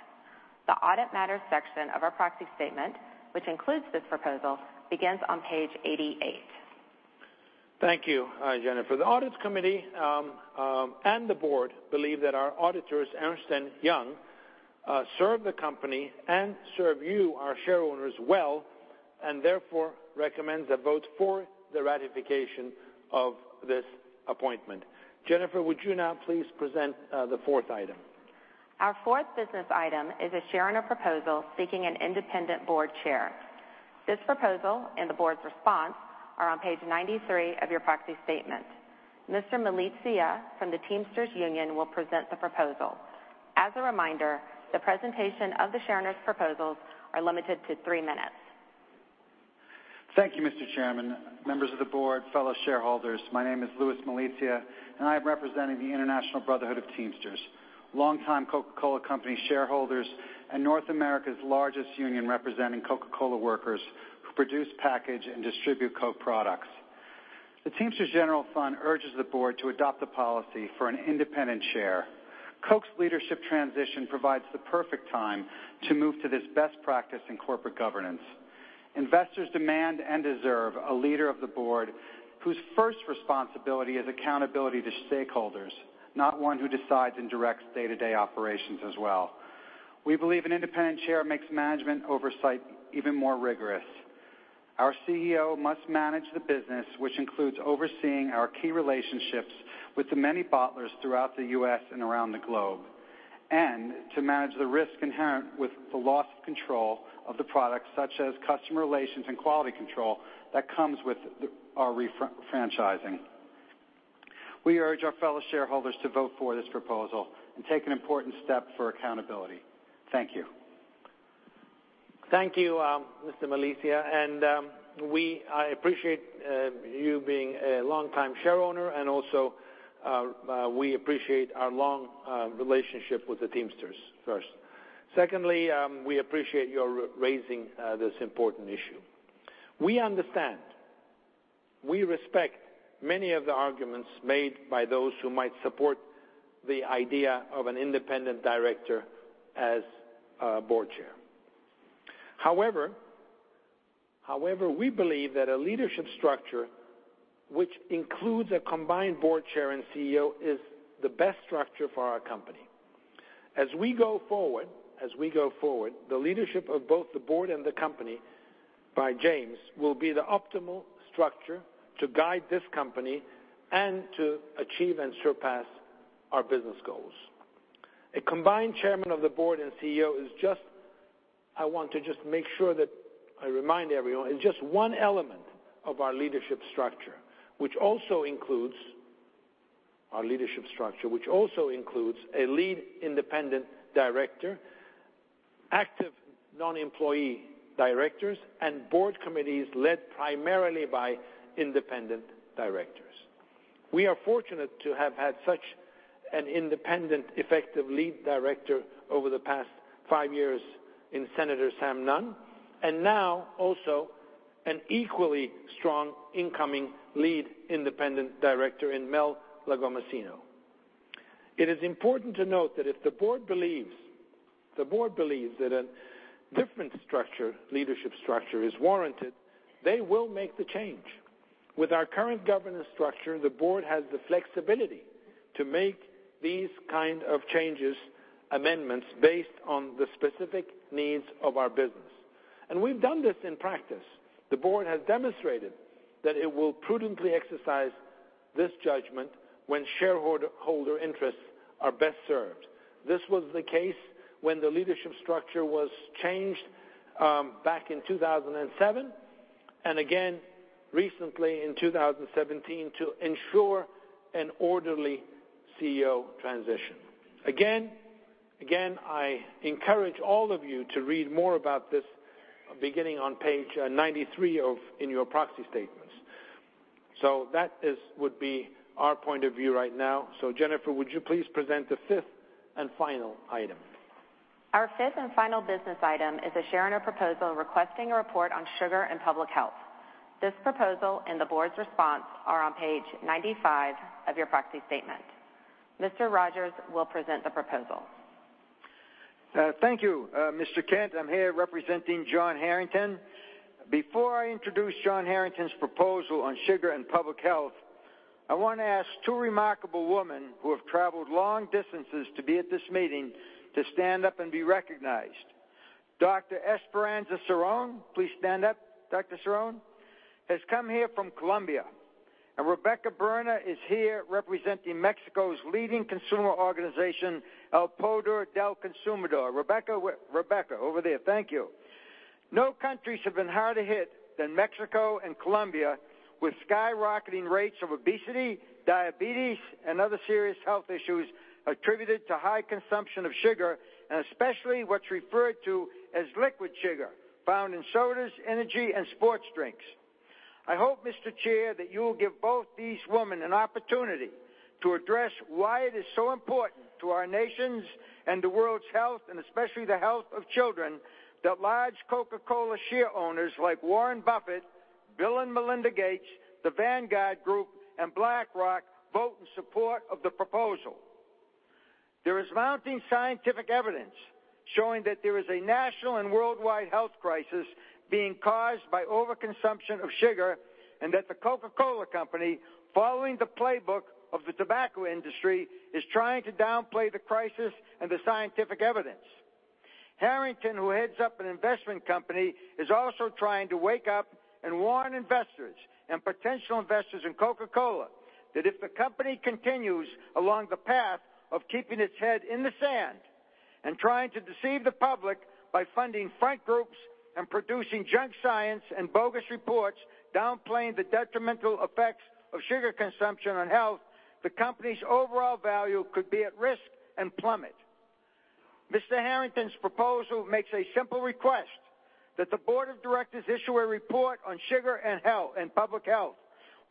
The audit matters section of our proxy statement, which includes this proposal, begins on page 88. Thank you, Jennifer. The audit committee and the board believe that our auditors, Ernst & Young, serve the company and serve you, our shareholders, well, and therefore recommend a vote for the ratification of this appointment. Jennifer, would you now please present the fourth item? Our fourth business item is a shareowner proposal seeking an independent board chair. This proposal and the board's response are on page 93 of your proxy statement. Mr. Malizia from the Teamsters Union will present the proposal. As a reminder, the presentation of the shareowner's proposals are limited to three minutes. Thank you, Mr. Chairman, members of the board, fellow shareholders. My name is Louis Malizia, I'm representing the International Brotherhood of Teamsters, longtime The Coca-Cola Company shareholders and North America's largest union representing Coca-Cola workers who produce, package, and distribute Coke products. The Teamsters General Fund urges the board to adopt a policy for an independent chair. Coke's leadership transition provides the perfect time to move to this best practice in corporate governance. Investors demand and deserve a leader of the board whose first responsibility is accountability to stakeholders, not one who decides and directs day-to-day operations as well. We believe an independent chair makes management oversight even more rigorous. Our CEO must manage the business, which includes overseeing our key relationships with the many bottlers throughout the U.S. and around the globe, to manage the risk inherent with the loss of control of the products such as customer relations and quality control that comes with our refranchising. We urge our fellow shareholders to vote for this proposal and take an important step for accountability. Thank you. Thank you, Mr. Malizia. I appreciate you being a longtime shareowner and also, we appreciate our long relationship with the Teamsters Union first. Secondly, we appreciate your raising this important issue. We understand, we respect many of the arguments made by those who might support the idea of an independent director as a board chair. However, we believe that a leadership structure which includes a combined board chair and CEO is the best structure for our company. As we go forward, the leadership of both the board and the company by James will be the optimal structure to guide this company and to achieve and surpass our business goals. A combined chairman of the board and CEO, I want to just make sure that I remind everyone, is just one element of our leadership structure. Which also includes a lead independent director, active non-employee directors, and board committees led primarily by independent directors. We are fortunate to have had such an independent, effective lead director over the past five years in Senator Sam Nunn, and now also an equally strong incoming lead independent director in Mel Lagomasino. It is important to note that if the board believes that a different leadership structure is warranted, they will make the change. With our current governance structure, the board has the flexibility to make these kind of changes, amendments based on the specific needs of our business. We've done this in practice. The board has demonstrated that it will prudently exercise this judgment when shareholder interests are best served. This was the case when the leadership structure was changed back in 2007, and again recently in 2017 to ensure an orderly CEO transition. I encourage all of you to read more about this beginning on page 93 in your proxy statements. That would be our point of view right now. Jennifer, would you please present the fifth and final item? Our fifth and final business item is a shareowner proposal requesting a report on sugar and public health. This proposal and the board's response are on page 95 of your proxy statement. Mr. Rogers will present the proposal. Thank you, Mr. Kent. I'm here representing John Harrington. Before I introduce John Harrington's proposal on sugar and public health, I want to ask two remarkable women who have traveled long distances to be at this meeting to stand up and be recognized. Dr. Esperanza Cerón, please stand up, Dr. Cerón, has come here from Colombia. Rebecca Briner is here representing Mexico's leading consumer organization, El Poder del Consumidor. Rebecca, over there. Thank you. No countries have been harder hit than Mexico and Colombia with skyrocketing rates of obesity, diabetes, and other serious health issues attributed to high consumption of sugar, and especially what's referred to as liquid sugar, found in sodas, energy, and sports drinks. I hope, Mr. Chair, that you will give both these women an opportunity to address why it is so important to our nation's and the world's health, and especially the health of children, that large Coca-Cola share owners like Warren Buffett, Bill and Melinda Gates, The Vanguard Group, and BlackRock vote in support of the proposal. There is mounting scientific evidence showing that there is a national and worldwide health crisis being caused by overconsumption of sugar, and that The Coca-Cola Company, following the playbook of the tobacco industry, is trying to downplay the crisis and the scientific evidence. Harrington, who heads up an investment company, is also trying to wake up and warn investors and potential investors in Coca-Cola that if the company continues along the path of keeping its head in the sand and trying to deceive the public by funding front groups and producing junk science and bogus reports downplaying the detrimental effects of sugar consumption on health, the company's overall value could be at risk and plummet. Mr. Harrington's proposal makes a simple request that the board of directors issue a report on sugar and public health,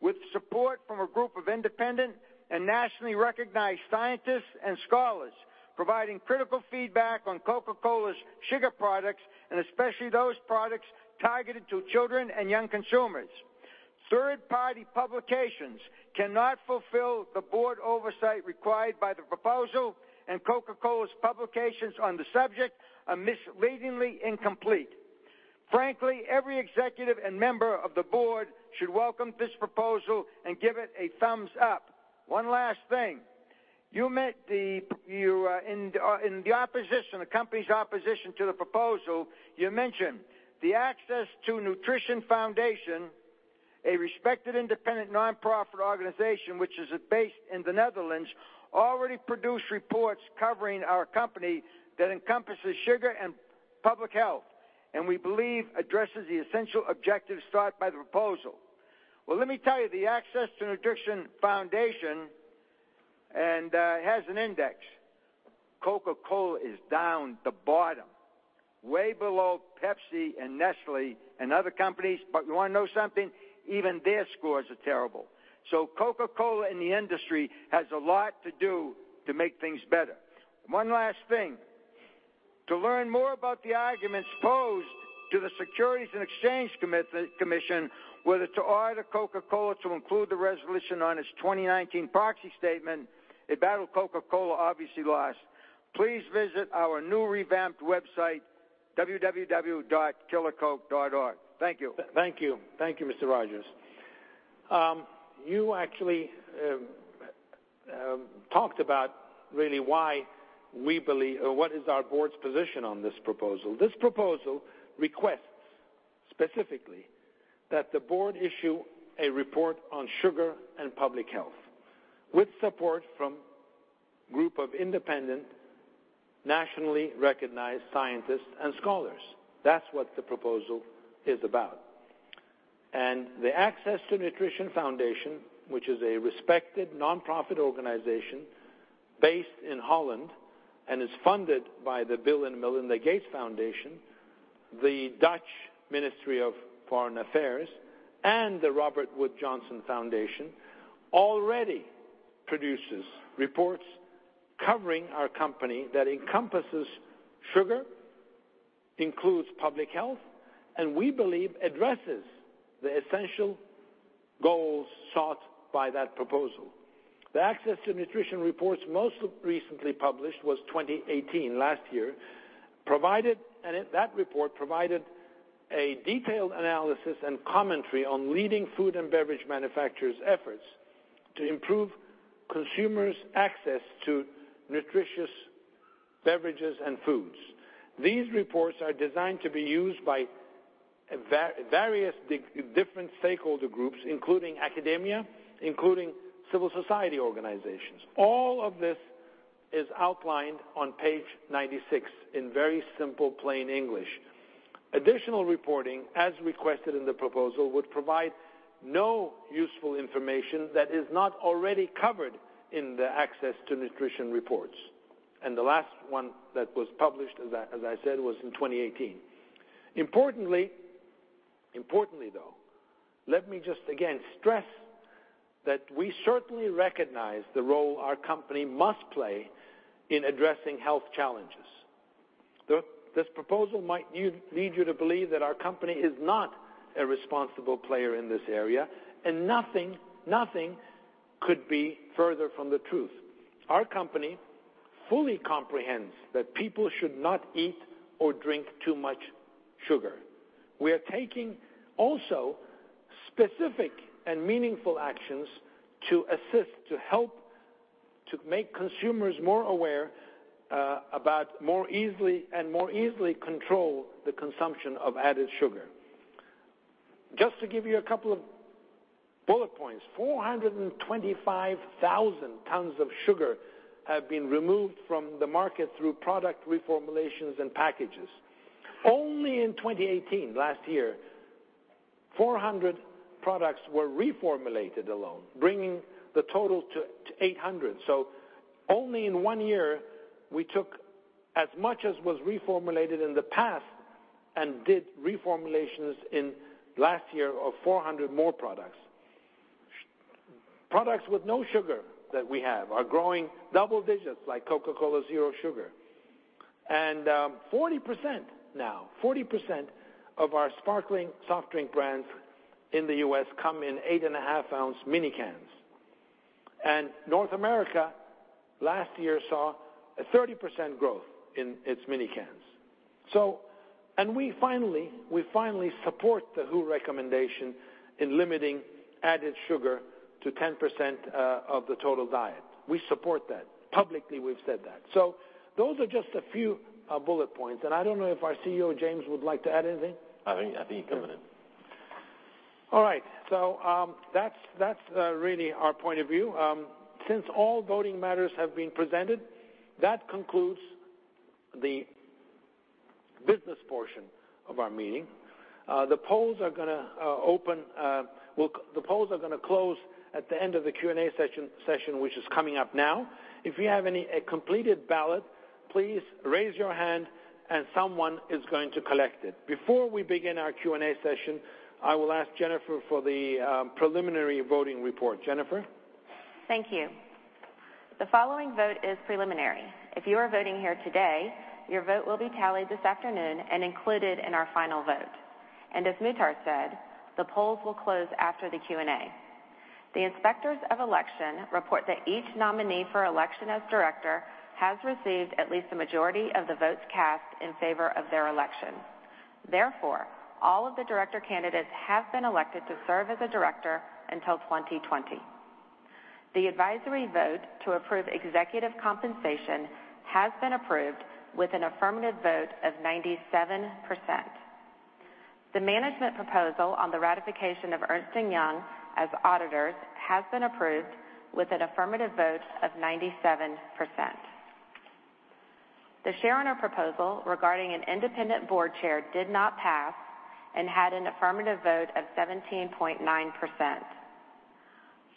with support from a group of independent and nationally recognized scientists and scholars providing critical feedback on Coca-Cola's sugar products, and especially those products targeted to children and young consumers. Third-party publications cannot fulfill the board oversight required by the proposal, and Coca-Cola's publications on the subject are misleadingly incomplete. Frankly, every executive and member of the board should welcome this proposal and give it a thumbs up. One last thing. In the company's opposition to the proposal, you mentioned, "The Access to Nutrition Foundation, a respected, independent, nonprofit organization, which is based in the Netherlands, already produced reports covering our company that encompasses sugar and public health, and we believe addresses the essential objectives sought by the proposal." Well, let me tell you, the Access to Nutrition Foundation has an index. Coca-Cola is down the bottom, way below Pepsi and Nestlé and other companies. You want to know something? Even their scores are terrible. Coca-Cola and the industry has a lot to do to make things better. One last thing. To learn more about the arguments posed to the Securities and Exchange Commission, whether to order Coca-Cola to include the resolution on its 2019 proxy statement, a battle Coca-Cola obviously lost, please visit our new revamped website, www.killercoke.org. Thank you. Thank you. Thank you, Mr. Rogers. You actually talked about really what is our board's position on this proposal. This proposal requests, specifically, that the board issue a report on sugar and public health with support from a group of independent, nationally recognized scientists and scholars. That's what the proposal is about. The Access to Nutrition Foundation, which is a respected nonprofit organization based in Holland and is funded by the Bill & Melinda Gates Foundation, the Dutch Ministry of Foreign Affairs, and the Robert Wood Johnson Foundation, already produces reports covering our company that encompasses sugar, includes public health, and we believe addresses the essential goals sought by that proposal. The Access to Nutrition reports most recently published was 2018, last year. That report provided a detailed analysis and commentary on leading food and beverage manufacturers' efforts to improve consumers' access to nutritious beverages and foods. These reports are designed to be used by various different stakeholder groups, including academia, including civil society organizations. All of this is outlined on page 96 in very simple, plain English. Additional reporting, as requested in the proposal, would provide no useful information that is not already covered in the Access to Nutrition reports. The last one that was published, as I said, was in 2018. Importantly, though, let me just again stress that we certainly recognize the role our company must play in addressing health challenges. This proposal might lead you to believe that our company is not a responsible player in this area, and nothing could be further from the truth. Our company fully comprehends that people should not eat or drink too much sugar. We are taking also specific and meaningful actions to assist, to help to make consumers more aware about and more easily control the consumption of added sugar. Just to give you a couple of bullet points. 425,000 tons of sugar have been removed from the market through product reformulations and packages. Only in 2018, last year, 400 products were reformulated alone, bringing the total to 800. Only in one year, we took as much as was reformulated in the past and did reformulations in last year of 400 more products. Products with no sugar that we have are growing double digits, like Coca-Cola Zero Sugar. 40% now, 40% of our sparkling soft drink brands in the U.S. come in eight and a half ounce mini cans. North America, last year saw a 30% growth in its mini cans. We finally support the WHO recommendation in limiting added sugar to 10% of the total diet. We support that. Publicly, we've said that. Those are just a few bullet points, and I don't know if our CEO, James, would like to add anything. I think you covered it. All right. That's really our point of view. Since all voting matters have been presented, that concludes the business portion of our meeting. The polls are going to close at the end of the Q&A session, which is coming up now. If you have a completed ballot, please raise your hand and someone is going to collect it. Before we begin our Q&A session, I will ask Jennifer for the preliminary voting report. Jennifer? Thank you. The following vote is preliminary. If you are voting here today, your vote will be tallied this afternoon and included in our final vote. As Muhtar said, the polls will close after the Q&A. The Inspectors of Election report that each nominee for election as director has received at least a majority of the votes cast in favor of their election. Therefore, all of the director candidates have been elected to serve as a director until 2020. The advisory vote to approve executive compensation has been approved with an affirmative vote of 97%. The management proposal on the ratification of Ernst & Young as auditors has been approved with an affirmative vote of 97%. The shareholder proposal regarding an independent board chair did not pass and had an affirmative vote of 17.9%.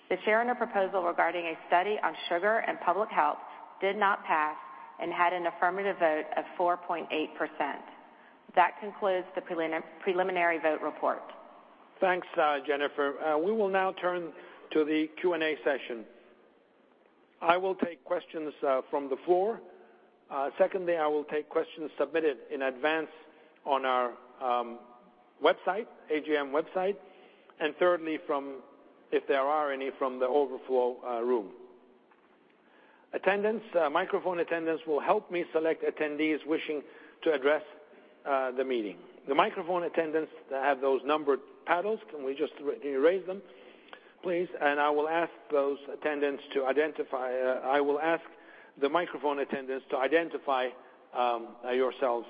The shareholder proposal regarding a study on sugar and public health did not pass and had an affirmative vote of 4.8%. That concludes the preliminary vote report. Thanks, Jennifer. We will now turn to the Q&A session. I will take questions from the floor. Secondly, I will take questions submitted in advance on our website, AGM website. Thirdly, if there are any from the overflow room. Attendants, microphone attendants will help me select attendees wishing to address the meeting. The microphone attendants have those numbered paddles. Can we just raise them, please? I will ask the microphone attendants to identify yourselves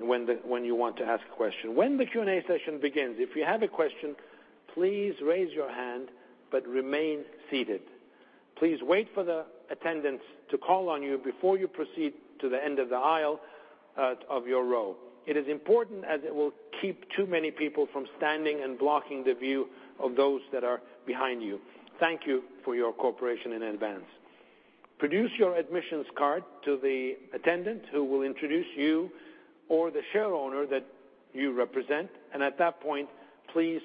when you want to ask a question. When the Q&A session begins, if you have a question, please raise your hand but remain seated. Please wait for the attendants to call on you before you proceed to the end of the aisle of your row. It is important as it will keep too many people from standing and blocking the view of those that are behind you. Thank you for your cooperation in advance. Produce your admissions card to the attendant who will introduce you or the shareholder that you represent, at that point, please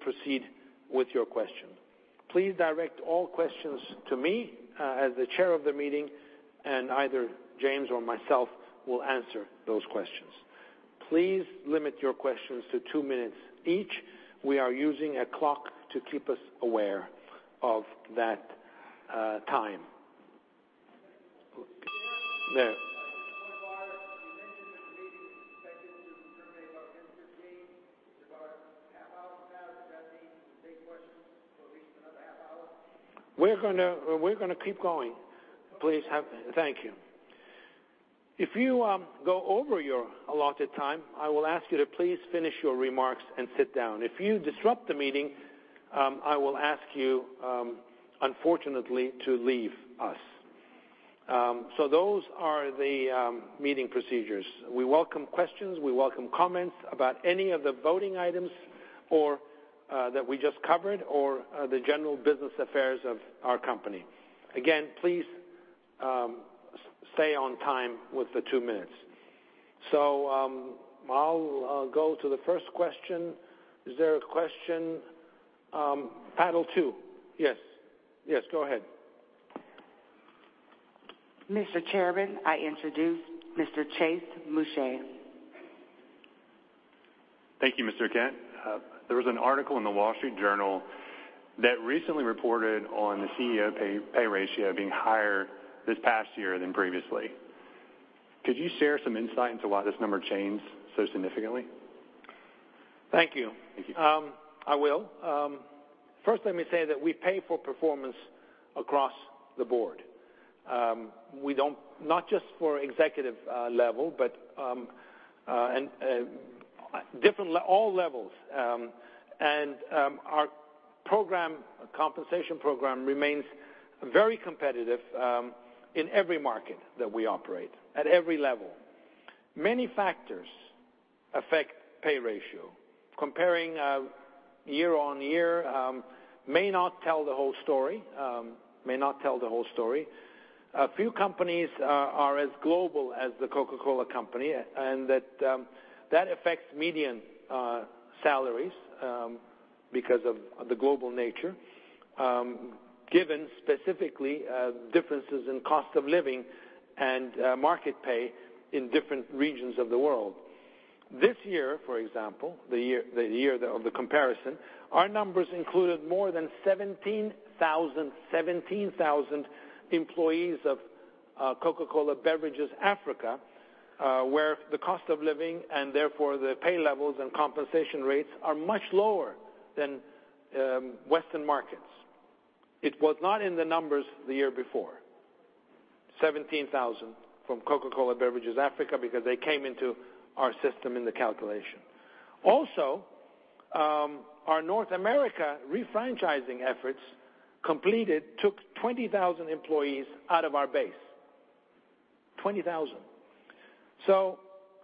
proceed with your question. Please direct all questions to me as the chair of the meeting, either James or myself will answer those questions. Please limit your questions to two minutes each. We are using a clock to keep us aware of that time. There. Just one more. You mentioned that the meeting is scheduled to terminate about 10:15 A.M. It's about a half hour from now. Does that mean we can take questions for at least another half hour? We're going to keep going. Okay. Please. Thank you. If you go over your allotted time, I will ask you to please finish your remarks and sit down. If you disrupt the meeting, I will ask you, unfortunately, to leave us. Those are the meeting procedures. We welcome questions, we welcome comments about any of the voting items that we just covered or the general business affairs of our company. Again, please stay on time with the two minutes. I'll go to the first question. Is there a question? Paddle two. Yes. Go ahead. Mr. Chairman, I introduce Mr. Chase Mushe. Thank you, Mr. Kent. There was an article in The Wall Street Journal that recently reported on the CEO pay ratio being higher this past year than previously. Could you share some insight into why this number changed so significantly? Thank you. Thank you. I will. First let me say that we pay for performance across the board. Not just for executive level, but all levels. Our compensation program remains very competitive in every market that we operate, at every level. Many factors affect pay ratio. Comparing year-on-year may not tell the whole story. A few companies are as global as The Coca-Cola Company, and that affects median salaries because of the global nature given specifically differences in cost of living and market pay in different regions of the world. This year, for example, the year of the comparison, our numbers included more than 17,000 employees of Coca-Cola Beverages Africa, where the cost of living, and therefore the pay levels and compensation rates are much lower than Western markets. It was not in the numbers the year before, 17,000 from Coca-Cola Beverages Africa, because they came into our system in the calculation. Also, our North America refranchising efforts completed took 20,000 employees out of our base. 20,000.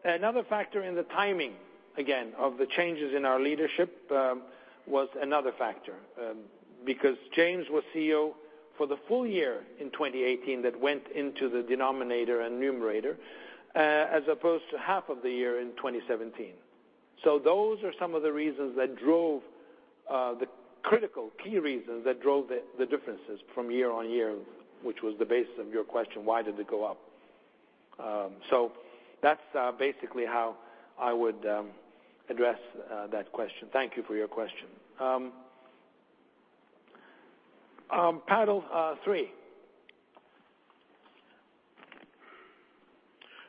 Another factor in the timing, again, of the changes in our leadership was another factor. Because James was CEO for the full year in 2018, that went into the denominator and numerator, as opposed to half of the year in 2017. Those are some of the reasons, the critical, key reasons, that drove the differences from year-on-year, which was the basis of your question, why did it go up? That's basically how I would address that question. Thank you for your question. Panel three.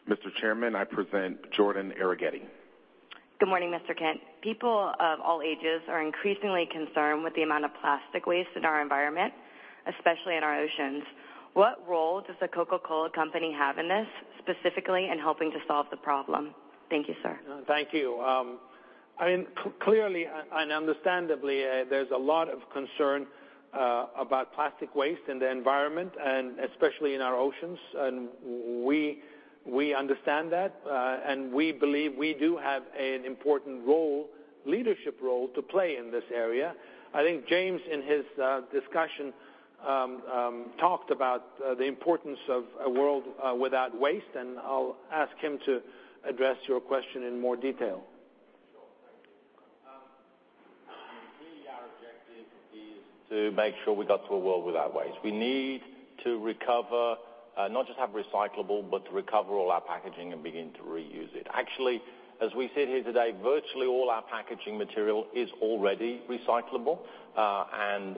Mr. Chairman, I present Jordan Aregheti. Good morning, Mr. Kent. People of all ages are increasingly concerned with the amount of plastic waste in our environment, especially in our oceans. What role does The Coca-Cola Company have in this, specifically in helping to solve the problem? Thank you, sir. Thank you. Clearly and understandably, there's a lot of concern about plastic waste in the environment, and especially in our oceans, and we understand that. We believe we do have an important role, leadership role, to play in this area. I think James, in his discussion, talked about the importance of a World Without Waste, and I'll ask him to address your question in more detail. Sure. Thank you. Clearly, our objective is to make sure we get to a World Without Waste. We need to recover, not just have recyclable, but to recover all our packaging and begin to reuse it. Actually, as we sit here today, virtually all our packaging material is already recyclable.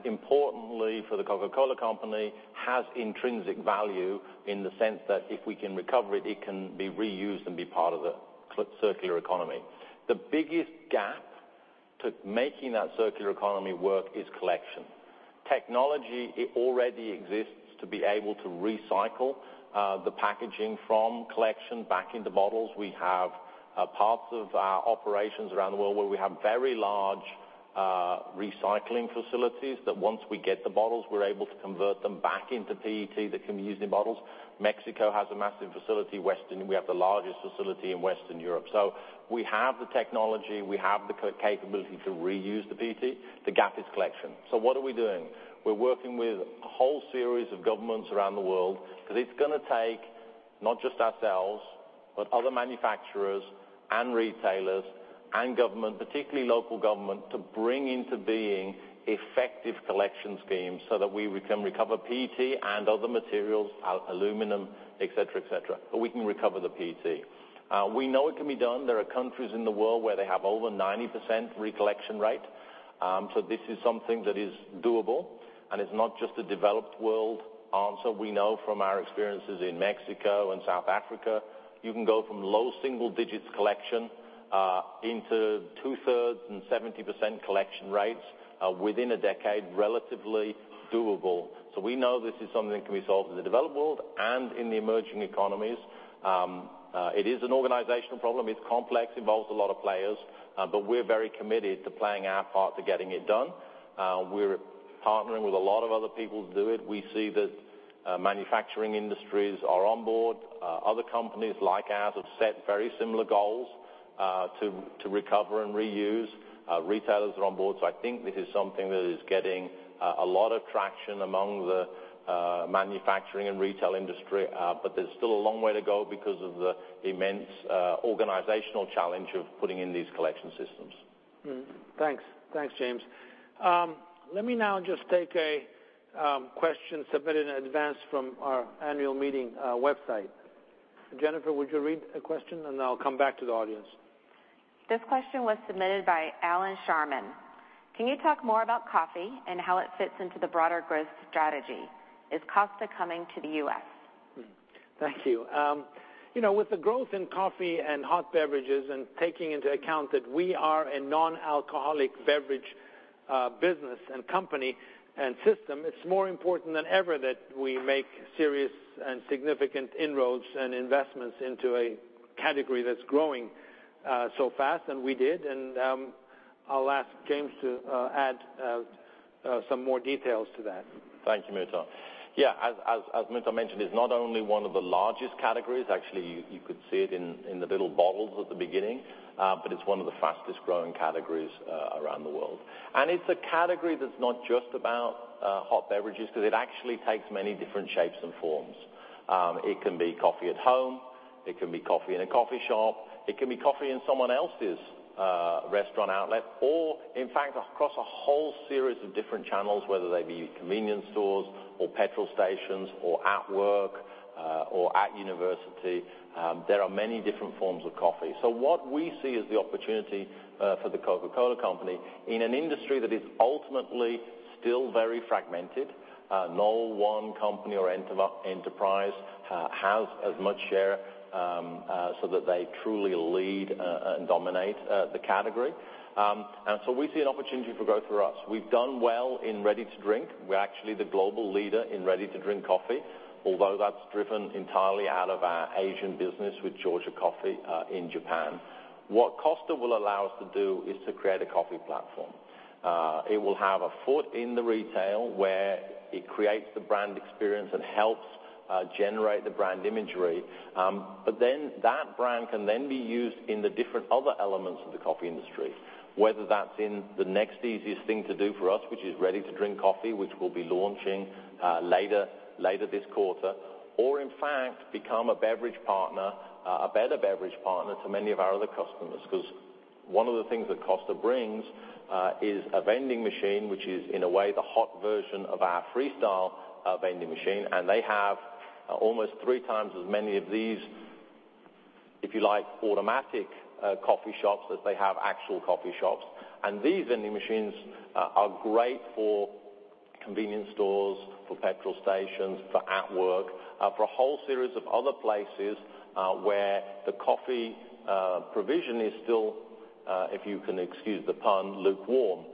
Importantly for The Coca-Cola Company, has intrinsic value in the sense that if we can recover it can be reused and be part of the circular economy. The biggest gap to making that circular economy work is collection. Technology already exists to be able to recycle the packaging from collection back into bottles. We have parts of our operations around the world where we have very large recycling facilities that once we get the bottles, we're able to convert them back into PET that can be used in bottles. Mexico has a massive facility. We have the largest facility in Western Europe. We have the technology, we have the capability to reuse the PET. The gap is collection. What are we doing? We're working with a whole series of governments around the world, because it's going to take not just ourselves, but other manufacturers and retailers and government, particularly local government, to bring into being effective collection schemes so that we can recover PET and other materials, aluminum, et cetera. We can recover the PET. We know it can be done. There are countries in the world where they have over 90% recollection rate. This is something that is doable, and it's not just a developed world answer. We know from our experiences in Mexico and South Africa, you can go from low single digits collection into two-thirds and 70% collection rates within a decade, relatively doable. We know this is something that can be solved in the developed world and in the emerging economies. It is an organizational problem. It's complex, involves a lot of players. We're very committed to playing our part to getting it done. We're partnering with a lot of other people to do it. We see that manufacturing industries are on board. Other companies like ours have set very similar goals to recover and reuse. Retailers are on board. I think this is something that is getting a lot of traction among the manufacturing and retail industry. There's still a long way to go because of the immense organizational challenge of putting in these collection systems. Thanks. Thanks, James. Let me now just take a question submitted in advance from our annual meeting website. Jennifer, would you read the question, then I'll come back to the audience. This question was submitted by Alan Sharman. Can you talk more about coffee and how it fits into the broader growth strategy? Is Costa coming to the U.S.? Thank you. With the growth in coffee and hot beverages, and taking into account that we are a non-alcoholic beverage business and company and system, it's more important than ever that we make serious and significant inroads and investments into a category that's growing so fast, and we did. I'll ask James to add some more details to that. Thank you, Muhtar. Yeah. As Muhtar mentioned, it's not only one of the largest categories, actually, you could see it in the little bottles at the beginning, but it's one of the fastest-growing categories around the world. It's a category that's not just about hot beverages, because it actually takes many different shapes and forms. It can be coffee at home, it can be coffee in a coffee shop, it can be coffee in someone else's restaurant outlet, or in fact, across a whole series of different channels, whether they be convenience stores or petrol stations, or at work, or at university. There are many different forms of coffee. What we see is the opportunity for The Coca-Cola Company in an industry that is ultimately still very fragmented. No one company or enterprise has as much share, so that they truly lead and dominate the category. We see an opportunity for growth for us. We've done well in ready to drink. We're actually the global leader in ready to drink coffee, although that's driven entirely out of our Asian business with Georgia Coffee in Japan. Costa will allow us to do is to create a coffee platform. It will have a foot in the retail, where it creates the brand experience and helps generate the brand imagery. That brand can then be used in the different other elements of the coffee industry, whether that's in the next easiest thing to do for us, which is ready to drink coffee, which we'll be launching later this quarter. In fact, become a better beverage partner to many of our other customers. One of the things that Costa brings is a vending machine, which is, in a way, the hot version of our freestyle vending machine, and they have almost three times as many of these, if you like, automatic coffee shops as they have actual coffee shops. These vending machines are great for convenience stores, for petrol stations, for at work, for a whole series of other places where the coffee provision is still, if you can excuse the pun, lukewarm.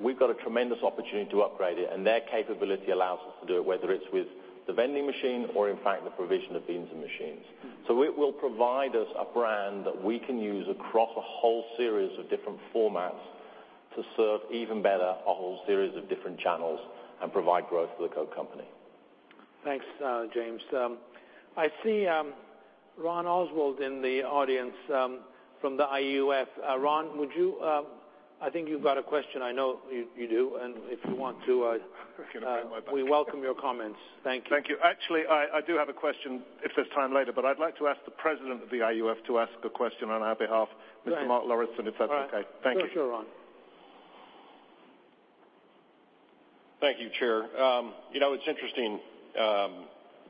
We've got a tremendous opportunity to upgrade it, and their capability allows us to do it, whether it's with the vending machine or, in fact, the provision of beans and machines. It will provide us a brand that we can use across a whole series of different formats to serve even better, a whole series of different channels and provide growth for The Coke Company. Thanks, James. I see Ron Oswald in the audience from the IUF. Ron, I think you've got a question. I know you do, and if you want to, we welcome your comments. Thank you. Thank you. Actually, I do have a question, if there's time later, I'd like to ask the president of the IUF to ask a question on our behalf. Go ahead. Mr. Mark Lauritsen, if that's okay. Thank you. Sure, Ron. Thank you, Chair. It's interesting, a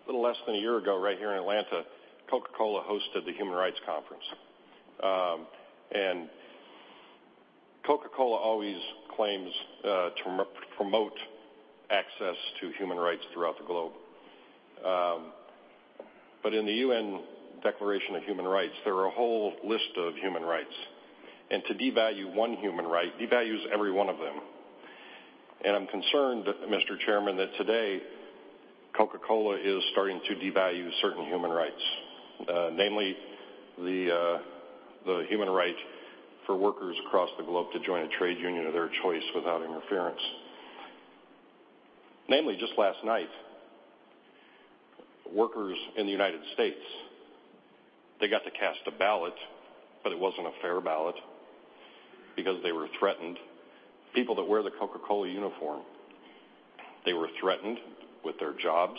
little less than a year ago, right here in Atlanta, Coca-Cola hosted the Human Rights Conference. Coca-Cola always claims to promote access to human rights throughout the globe. In the Universal Declaration of Human Rights, there are a whole list of human rights, and to devalue one human right, devalues every one of them. I'm concerned, Mr. Chairman, that today Coca-Cola is starting to devalue certain human rights, namely the human right for workers across the globe to join a trade union of their choice without interference. Namely, just last night, workers in the U.S., they got to cast a ballot, but it wasn't a fair ballot because they were threatened. People that wear the Coca-Cola uniform, they were threatened with their jobs,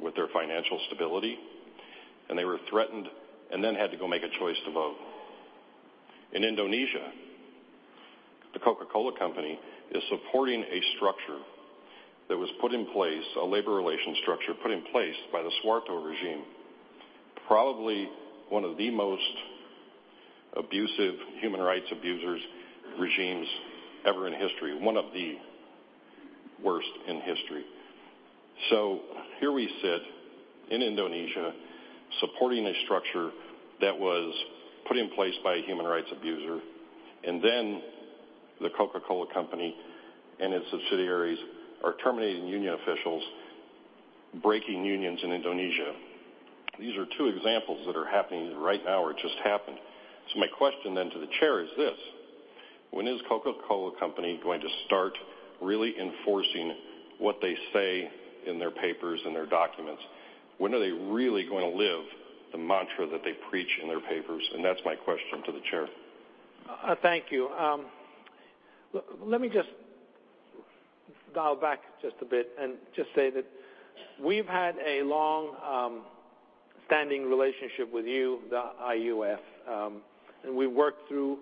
with their financial stability, and they were threatened and then had to go make a choice to vote. In Indonesia, The Coca-Cola Company is supporting a structure that was put in place, a labor relation structure put in place by the Suharto regime, probably one of the most abusive human rights abusers regimes ever in history, one of the worst in history. Here we sit in Indonesia supporting a structure that was put in place by a human rights abuser, and then The Coca-Cola Company and its subsidiaries are terminating union officials, breaking unions in Indonesia. These are two examples that are happening right now or just happened. My question then to the Chair is this: when is The Coca-Cola Company going to start really enforcing what they say in their papers and their documents? When are they really going to live the mantra that they preach in their papers? That's my question to the Chair. Thank you. Let me just dial back just a bit and just say that we've had a long-standing relationship with you, the IUF. We worked through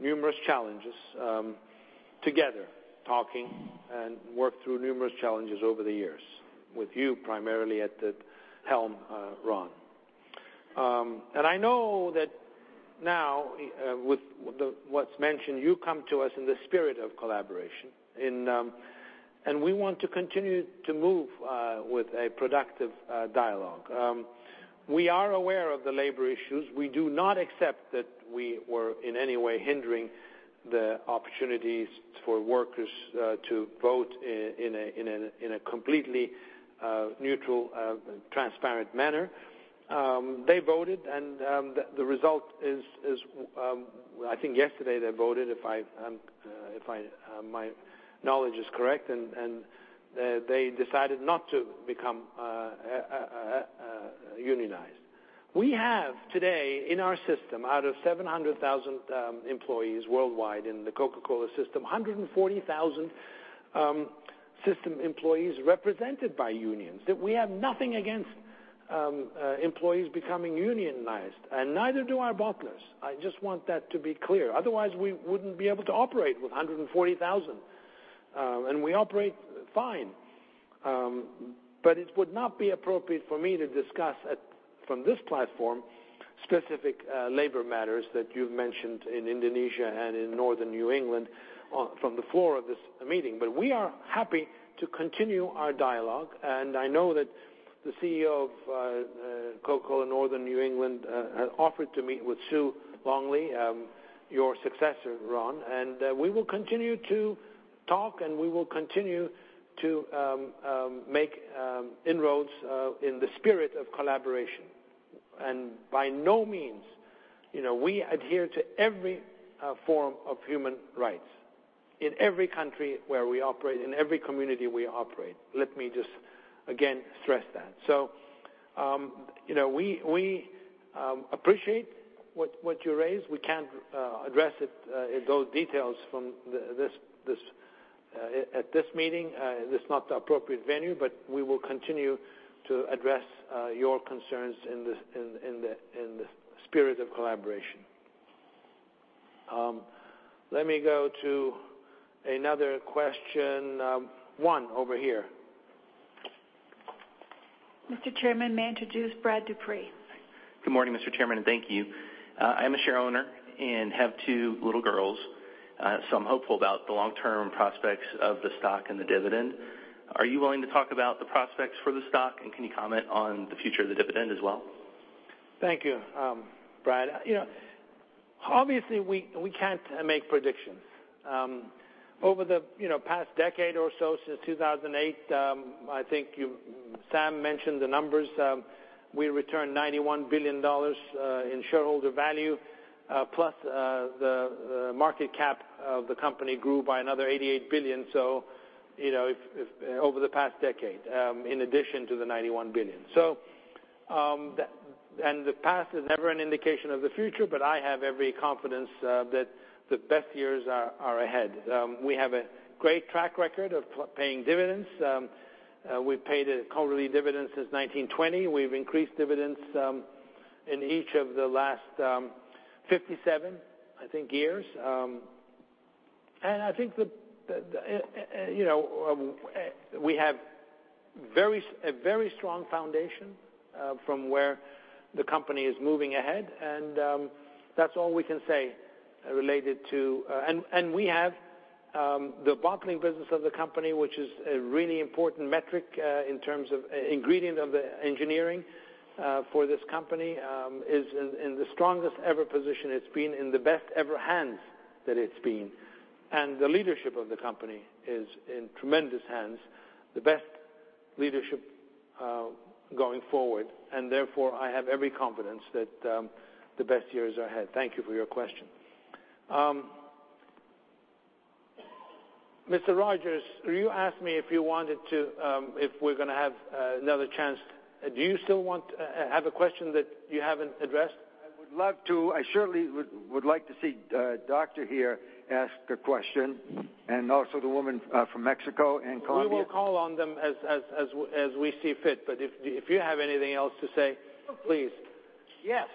numerous challenges together, talking, and worked through numerous challenges over the years with you primarily at the helm, Ron. I know that now with what's mentioned, you come to us in the spirit of collaboration, and we want to continue to move with a productive dialogue. We are aware of the labor issues. We do not accept that we were in any way hindering the opportunities for workers to vote in a completely neutral, transparent manner. They voted, and the result is, I think yesterday they voted, if my knowledge is correct, and they decided not to become unionized. We have today in our system, out of 700,000 employees worldwide in the Coca-Cola system, 140,000 system employees represented by unions. That we have nothing against employees becoming unionized, and neither do our bottlers. I just want that to be clear. Otherwise, we wouldn't be able to operate with 140,000. We operate fine. It would not be appropriate for me to discuss, from this platform, specific labor matters that you've mentioned in Indonesia and in Northern New England from the floor of this meeting. But we are happy to continue our dialogue, and I know that the CEO of Coca-Cola Northern New England offered to meet with Sue Longley, your successor, Ron. We will continue to talk, and we will continue to make inroads in the spirit of collaboration. By no means, we adhere to every form of human rights in every country where we operate, in every community we operate. Let me just again stress that. We appreciate what you raised. We can't address it in those details at this meeting. This is not the appropriate venue, but we will continue to address your concerns in the spirit of collaboration. Let me go to another question. One over here. Mr. Chairman, may I introduce Brad Dupree? Good morning, Mr. Chairman, and thank you. I am a shareholder and have two little girls, so I'm hopeful about the long-term prospects of the stock and the dividend. Are you willing to talk about the prospects for the stock, and can you comment on the future of the dividend as well? Thank you, Brad. Obviously, we can't make predictions. Over the past decade or so, since 2008, I think Sam mentioned the numbers. We returned $91 billion in shareholder value, plus the market cap of The Coca-Cola Company grew by another $88 billion over the past decade, in addition to the $91 billion. The past is never an indication of the future. I have every confidence that the best years are ahead. We have a great track record of paying dividends. We've paid a quarterly dividend since 1920. We've increased dividends in each of the last 57, I think, years. I think that we have a very strong foundation from where The Coca-Cola Company is moving ahead, that's all we can say. We have the bottling business of The Coca-Cola Company, which is a really important metric in terms of ingredient of the engineering for The Coca-Cola Company, is in the strongest ever position it's been, in the best ever hands that it's been. The leadership of The Coca-Cola Company is in tremendous hands, the best leadership going forward. Therefore, I have every confidence that the best years are ahead. Thank you for your question. Mr. Rogers, you asked me if we're going to have another chance. Do you still have a question that you haven't addressed? I would love to. I surely would like to see Dr. Sharon ask a question, and also the woman from Mexico and Colombia. We will call on them as we see fit. If you have anything else to say, please. Yes.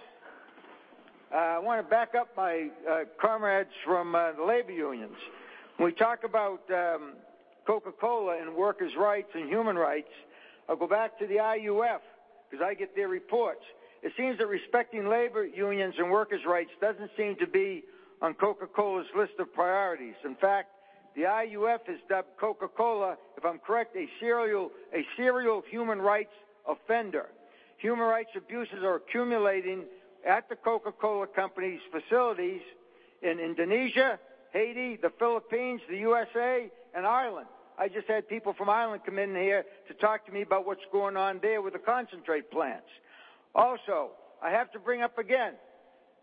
I want to back up my comrades from the labor unions. We talk about Coca-Cola and workers' rights and human rights. I'll go back to the IUF because I get their reports. It seems that respecting labor unions and workers' rights doesn't seem to be on Coca-Cola's list of priorities. In fact, the IUF has dubbed Coca-Cola, if I'm correct, a serial human rights offender. Human rights abuses are accumulating at The Coca-Cola Company's facilities in Indonesia, Haiti, the Philippines, the U.S.A., and Ireland. I just had people from Ireland come in here to talk to me about what's going on there with the concentrate plants. Also, I have to bring up again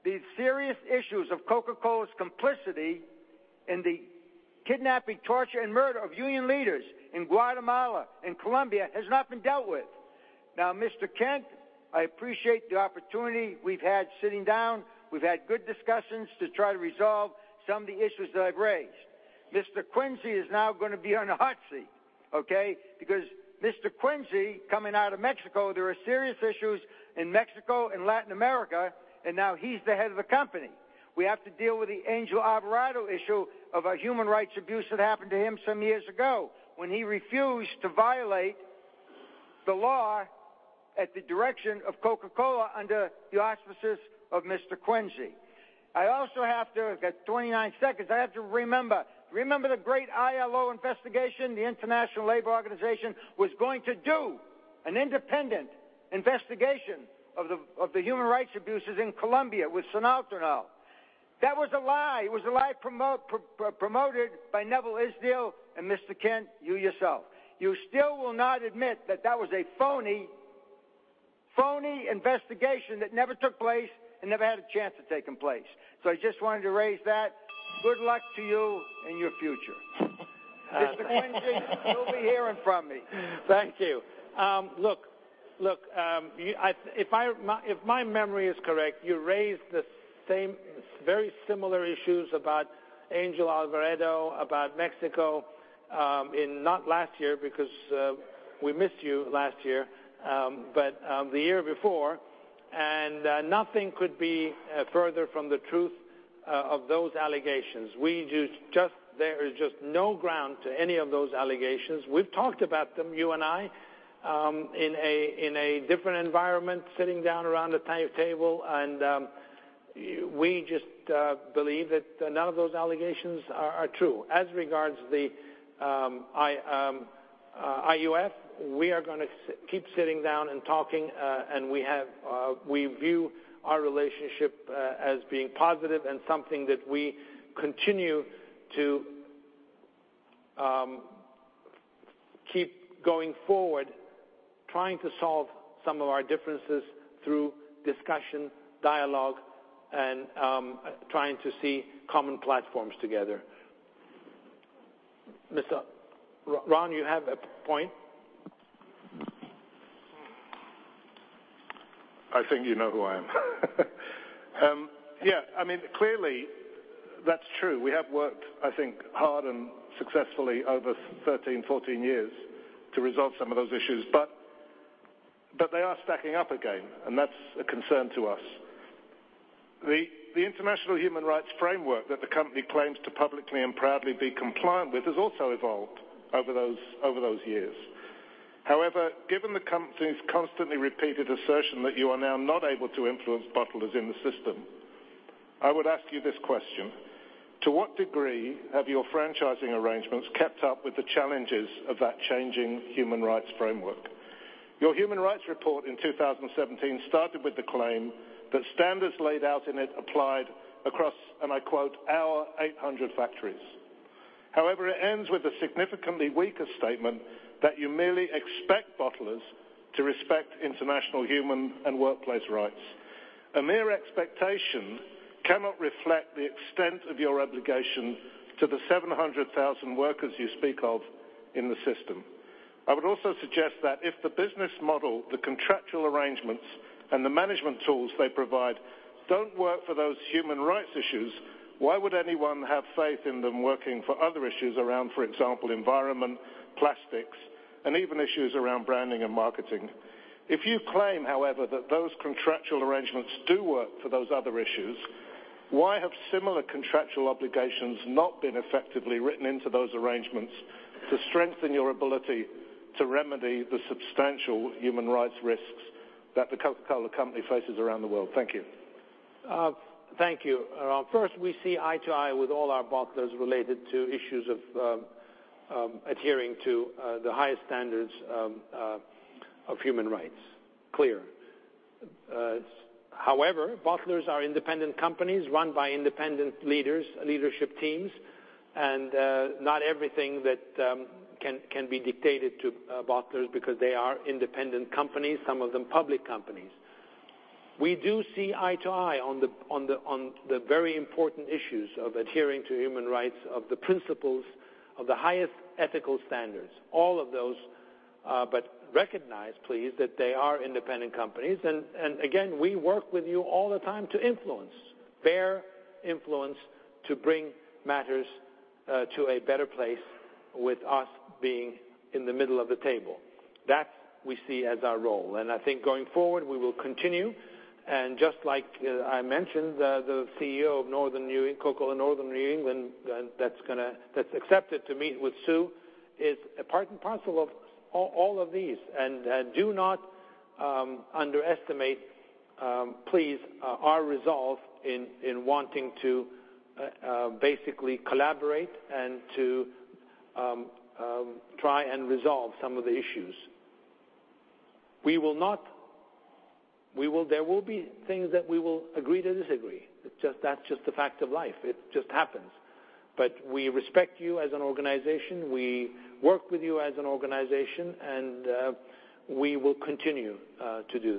the serious issues of Coca-Cola's complicity in the kidnapping, torture, and murder of union leaders in Guatemala and Colombia has not been dealt with. Now, Mr. Kent, I appreciate the opportunity we've had sitting down. We've had good discussions to try to resolve some of the issues that I've raised. Mr. Quincey is now going to be on the hot seat, okay? Because Mr. Quincey, coming out of Mexico, there are serious issues in Mexico and Latin America, and now he's the head of the company. We have to deal with the Angel Alvarado issue of a human rights abuse that happened to him some years ago when he refused to violate the law at the direction of Coca-Cola under the auspices of Mr. Quincey. Remember the great ILO investigation the International Labour Organization was going to do? An independent investigation of the human rights abuses in Colombia with Sinaltrainal. That was a lie. It was a lie promoted by Neville Isdell and Mr. Kent, you yourself. You still will not admit that that was a phony investigation that never took place and never had a chance of taking place. I just wanted to raise that. Good luck to you and your future. Mr. Quincey, you'll be hearing from me. Thank you. Look, if my memory is correct, you raised the same, very similar issues about Angel Alvarado, about Mexico, in not last year, because, we missed you last year. The year before, and nothing could be further from the truth of those allegations. There is just no ground to any of those allegations. We've talked about them, you and I, in a different environment, sitting down around a table, and we just believe that none of those allegations are true. As regards the IUF, we are going to keep sitting down and talking, and we view our relationship as being positive and something that we continue to keep going forward, trying to solve some of our differences through discussion, dialogue, and trying to see common platforms together. Ron, you have a point? I think you know who I am. Clearly that's true. We have worked, I think, hard and successfully over 13, 14 years to resolve some of those issues. They are stacking up again, and that's a concern to us. The international human rights framework that the company claims to publicly and proudly be compliant with has also evolved over those years. However, given the company's constantly repeated assertion that you are now not able to influence bottlers in the system, I would ask you this question: To what degree have your franchising arrangements kept up with the challenges of that changing human rights framework? Your human rights report in 2017 started with the claim that standards laid out in it applied across, and I quote, "Our 800 factories." However, it ends with a significantly weaker statement that you merely expect bottlers to respect international human and workplace rights. A mere expectation cannot reflect the extent of your obligation to the 700,000 workers you speak of in the system. I would also suggest that if the business model, the contractual arrangements, and the management tools they provide don't work for those human rights issues, why would anyone have faith in them working for other issues around, for example, environment, plastics, and even issues around branding and marketing? If you claim, however, that those contractual arrangements do work for those other issues, why have similar contractual obligations not been effectively written into those arrangements to strengthen your ability to remedy the substantial human rights risks that The Coca-Cola Company faces around the world? Thank you. Thank you, Ron. First, we see eye to eye with all our bottlers related to issues of adhering to the highest standards of human rights. Clear. However, bottlers are independent companies run by independent leadership teams and not everything can be dictated to bottlers because they are independent companies, some of them public companies. We do see eye to eye on the very important issues of adhering to human rights, of the principles of the highest ethical standards, all of those. Recognize, please, that they are independent companies. Again, we work with you all the time to influence. Bear influence to bring matters to a better place with us being in the middle of the table. That we see as our role. I think going forward, we will continue. Just like I mentioned, the CEO of Coca-Cola Northern New England, that's accepted to meet with Sue, is a part and parcel of all of these. Do not underestimate, please, our resolve in wanting to basically collaborate and to try and resolve some of the issues. There will be things that we will agree to disagree. That's just a fact of life. It just happens. We respect you as an organization. We work with you as an organization, and we will continue to do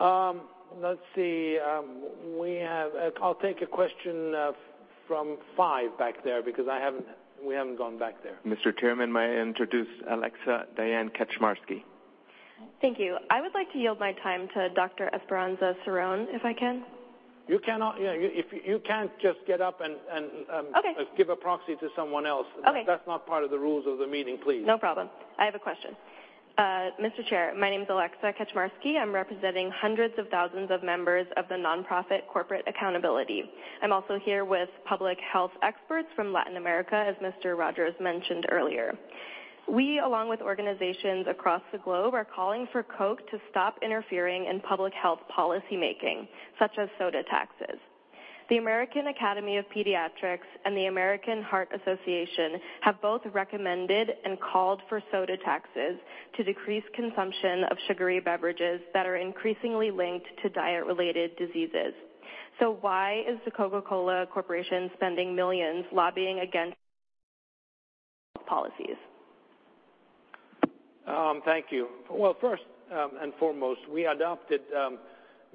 that. Let's see. I'll take a question from five back there because we haven't gone back there. Mr. Chairman, may I introduce Alexa Diane Kaczmarski? Thank you. I would like to yield my time to Dr. Esperanza Cerón, if I can. You cannot. You can't just get up. Okay give a proxy to someone else. Okay. That's not part of the rules of the meeting, please. No problem. I have a question. Mr. Chair, my name's Alexa Kaczmarski. I'm representing hundreds of thousands of members of the nonprofit Corporate Accountability. I'm also here with public health experts from Latin America, as Mr. Rogers mentioned earlier. We, along with organizations across the globe, are calling for Coke to stop interfering in public health policymaking, such as soda taxes. The American Academy of Pediatrics and the American Heart Association have both recommended and called for soda taxes to decrease consumption of sugary beverages that are increasingly linked to diet-related diseases. Why is the Coca-Cola Corporation spending $millions lobbying against Policies. Thank you. Well, first and foremost, we adopted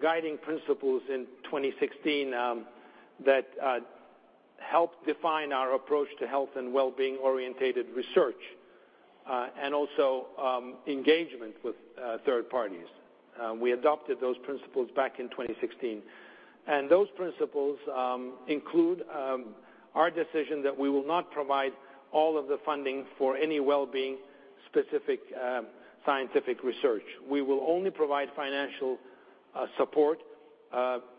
guiding principles in 2016 that help define our approach to health and wellbeing orientated research, and also engagement with third parties. We adopted those principles back in 2016. Those principles include our decision that we will not provide all of the funding for any wellbeing specific scientific research. We will only provide financial support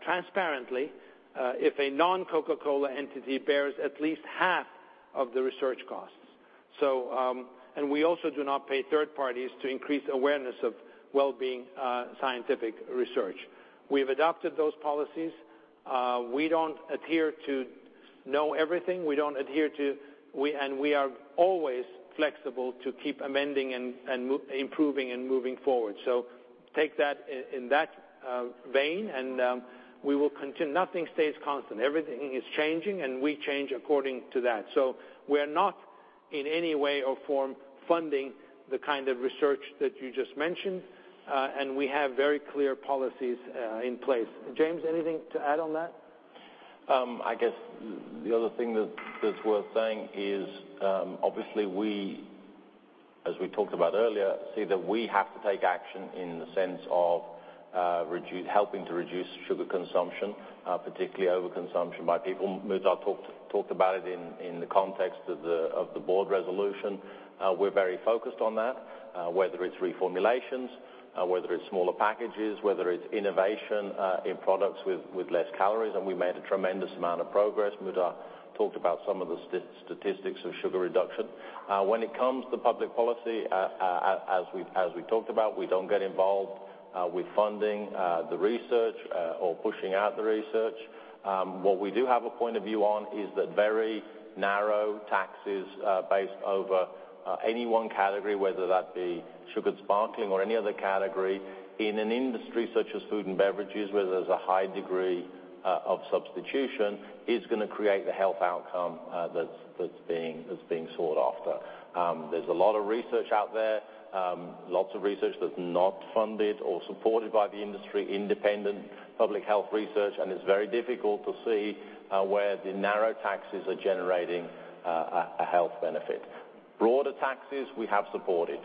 transparently if a non-Coca-Cola entity bears at least half of the research costs. We also do not pay third parties to increase awareness of wellbeing scientific research. We've adopted those policies. We don't adhere to know everything, and we are always flexible to keep amending and improving and moving forward. Take that in that vein and we will continue. Nothing stays constant. Everything is changing, and we change according to that. We're not in any way or form funding the kind of research that you just mentioned. We have very clear policies in place. James, anything to add on that? I guess the other thing that's worth saying is, obviously we, as we talked about earlier, see that we have to take action in the sense of helping to reduce sugar consumption, particularly overconsumption by people. Muhtar talked about it in the context of the board resolution. We're very focused on that, whether it's reformulations, whether it's smaller packages, whether it's innovation in products with less calories. We made a tremendous amount of progress. Muhtar talked about some of the statistics of sugar reduction. When it comes to public policy, as we've talked about, we don't get involved with funding the research or pushing out the research. What we do have a point of view on is that very narrow taxes based over any one category, whether that be sugared sparkling or any other category in an industry such as food and beverages, where there's a high degree of substitution, is going to create the health outcome that's being sought after. There's a lot of research out there. Lots of research that's not funded or supported by the industry, independent public health research, and it's very difficult to see where the narrow taxes are generating a health benefit. Broader taxes, we have supported,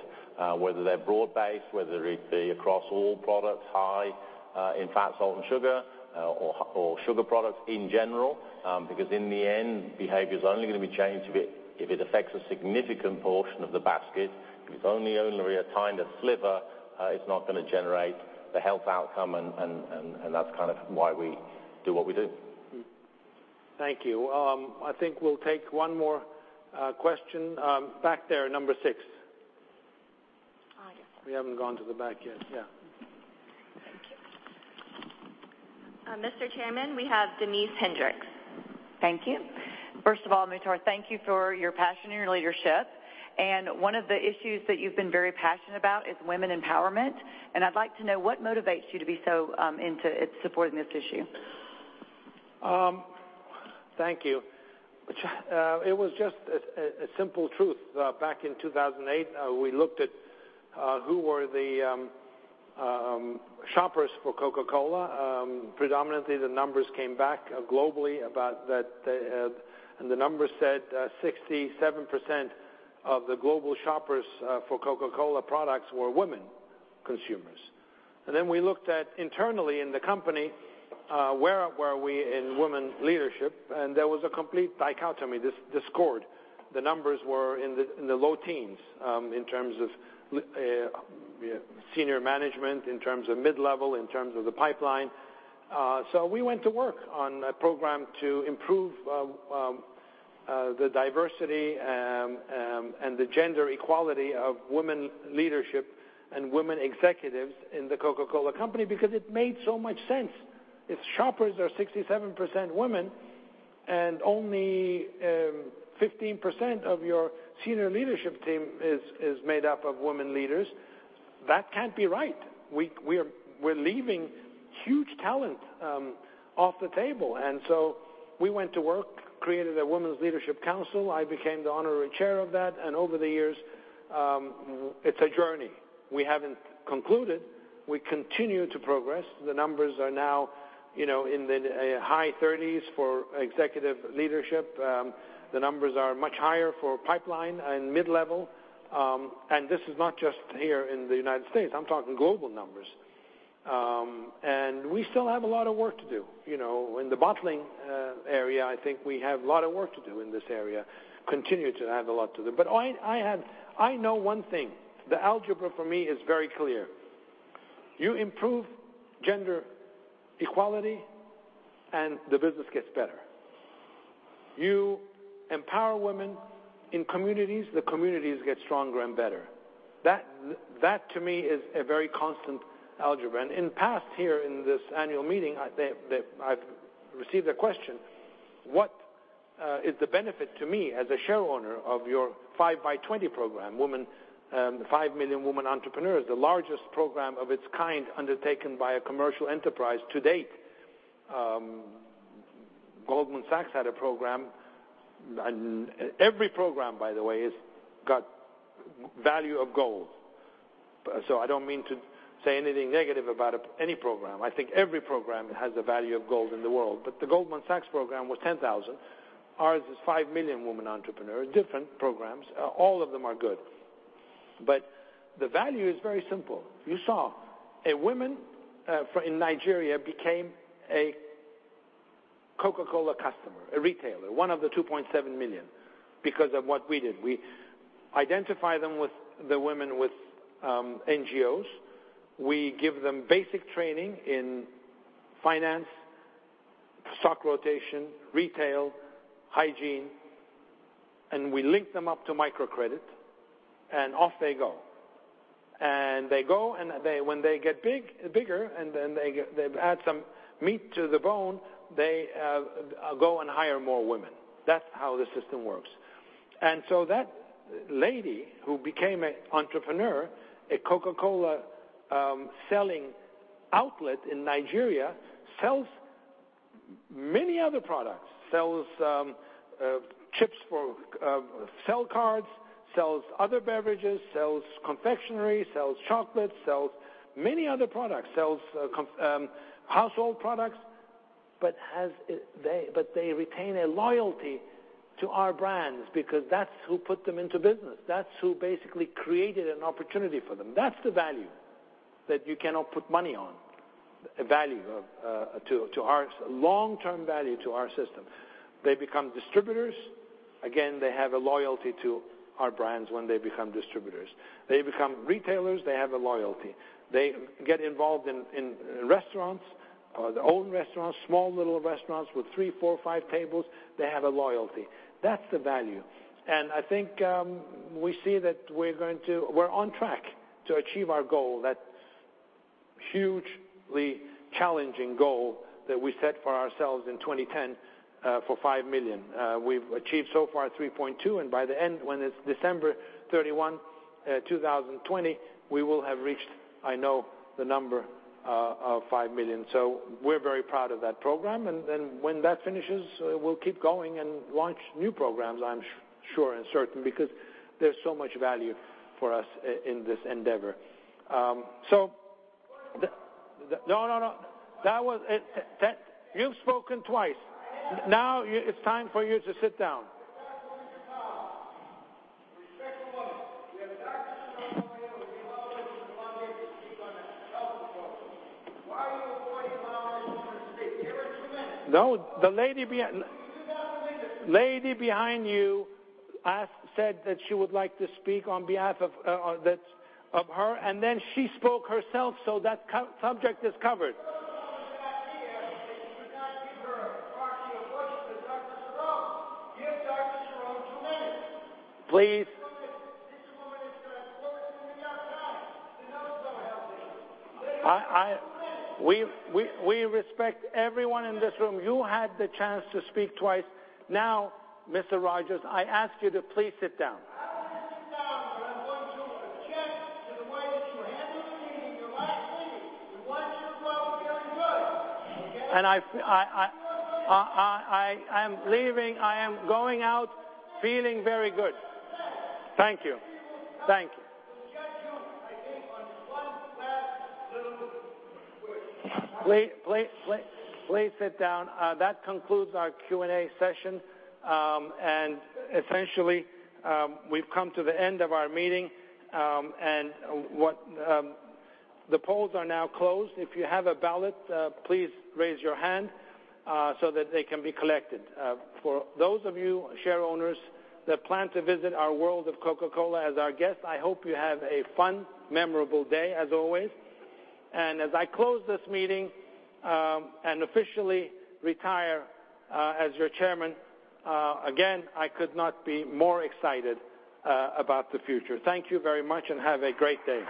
whether they're broad-based, whether it be across all products high in fat, salt, and sugar or sugar products in general. In the end, behavior's only going to be changed if it affects a significant portion of the basket. If it's only a tiny sliver, it's not going to generate the health outcome. That's kind of why we do what we do. Thank you. I think we'll take one more question. Back there, number 6. Oh, yes. We haven't gone to the back yet. Yeah. Thank you. Mr. Chairman, we have Denise Hendrix. Thank you. First of all, Muhtar, thank you for your passion and your leadership. One of the issues that you've been very passionate about is women empowerment, and I'd like to know what motivates you to be so into supporting this issue. Thank you. It was just a simple truth. Back in 2008, we looked at who were the shoppers for Coca-Cola. Predominantly, the numbers came back globally about that. The numbers said 67% of the global shoppers for Coca-Cola products were women consumers. We looked at internally in the company, where were we in women leadership, and there was a complete dichotomy, this discord. The numbers were in the low teens, in terms of senior management, in terms of mid-level, in terms of the pipeline. We went to work on a program to improve the diversity and the gender equality of women leadership and women executives in The Coca-Cola Company, because it made so much sense. If shoppers are 67% women and only 15% of your senior leadership team is made up of women leaders, that can't be right. We're leaving huge talent off the table. We went to work, created a women's leadership council. I became the honorary chair of that, and over the years, it's a journey. We haven't concluded. We continue to progress. The numbers are now in the high 30s for executive leadership. The numbers are much higher for pipeline and mid-level. This is not just here in the U.S. I'm talking global numbers. In the bottling area, I think we have a lot of work to do in this area, continue to have a lot to do. I know one thing. The algebra for me is very clear. You improve gender equality, and the business gets better. You empower women in communities, the communities get stronger and better. That, to me, is a very constant algebra. In the past here in this annual meeting, I've received a question, "What is the benefit to me as a shareowner of your 5by20 program?" The 5 million women entrepreneurs, the largest program of its kind undertaken by a commercial enterprise to date. Goldman Sachs had a program, every program, by the way, has got value of gold. I don't mean to say anything negative about any program. I think every program has the value of gold in the world, the Goldman Sachs program was 10,000. Ours is 5 million women entrepreneurs, different programs. All of them are good. The value is very simple. You saw a woman in Nigeria became a Coca-Cola customer, a retailer, one of the 2.7 million, because of what we did. We identify the women with NGOs. We give them basic training in finance, stock rotation, retail, hygiene, and we link them up to microcredit. Off they go. They go, and when they get bigger and then they add some meat to the bone, they go and hire more women. That's how the system works. That lady, who became an entrepreneur, a Coca-Cola selling outlet in Nigeria, sells many other products. Sells chips for cell cards, sells other beverages, sells confectionery, sells chocolate, sells many other products, sells household products. They retain a loyalty to our brands because that's who put them into business. That's who basically created an opportunity for them. That's the value that you cannot put money on. A long-term value to our system. They become distributors. Again, they have a loyalty to our brands when they become distributors. They become retailers, they have a loyalty. They get involved in restaurants, their own restaurants, small little restaurants with three, four, five tables. They have a loyalty. That's the value. I think we see that we're on track to achieve our goal, that hugely challenging goal that we set for ourselves in 2010 for 5 million. We've achieved so far 3.2 million, and by the end, when it's December 31, 2020, we will have reached, I know, the number of 5 million. We're very proud of that program. When that finishes, we'll keep going and launch new programs, I'm sure and certain, because there's so much value for us in this endeavor. No, no. You've spoken twice. I have not. Now it's time for you to sit down. You have not honored your promise. Respect the women. We have doctors who are going to be honored and who want to be able to speak on the health approach. Why are you avoiding allowing women to speak? Give her two minutes. No. The lady behi- You do not believe this. lady behind you said that she would like to speak on behalf of her, and then she spoke herself, so that subject is covered. She would not give her proxy a voice. She said, "Dr. Sharon, give Dr. Sharon two minutes. Please. This woman has been a supporter from the outset, and knows our health issue. Give her two minutes. We respect everyone in this room. You had the chance to speak twice. Now, Mr. Rogers, I ask you to please sit down. I will sit down, but I'm going to object to the way that you're handling the meeting. You're last leaving and once you're going, you're doing good. Okay? I am leaving. I am going out feeling very good. Thank you. Thank you. We will come to judge you, I think, on one last little push. Please sit down. That concludes our Q&A session. Essentially, we've come to the end of our meeting. The polls are now closed. If you have a ballot, please raise your hand, so that they can be collected. For those of you shareowners that plan to visit our World of Coca-Cola as our guests, I hope you have a fun, memorable day as always. As I close this meeting, and officially retire as your chairman, again, I could not be more excited about the future. Thank you very much and have a great day.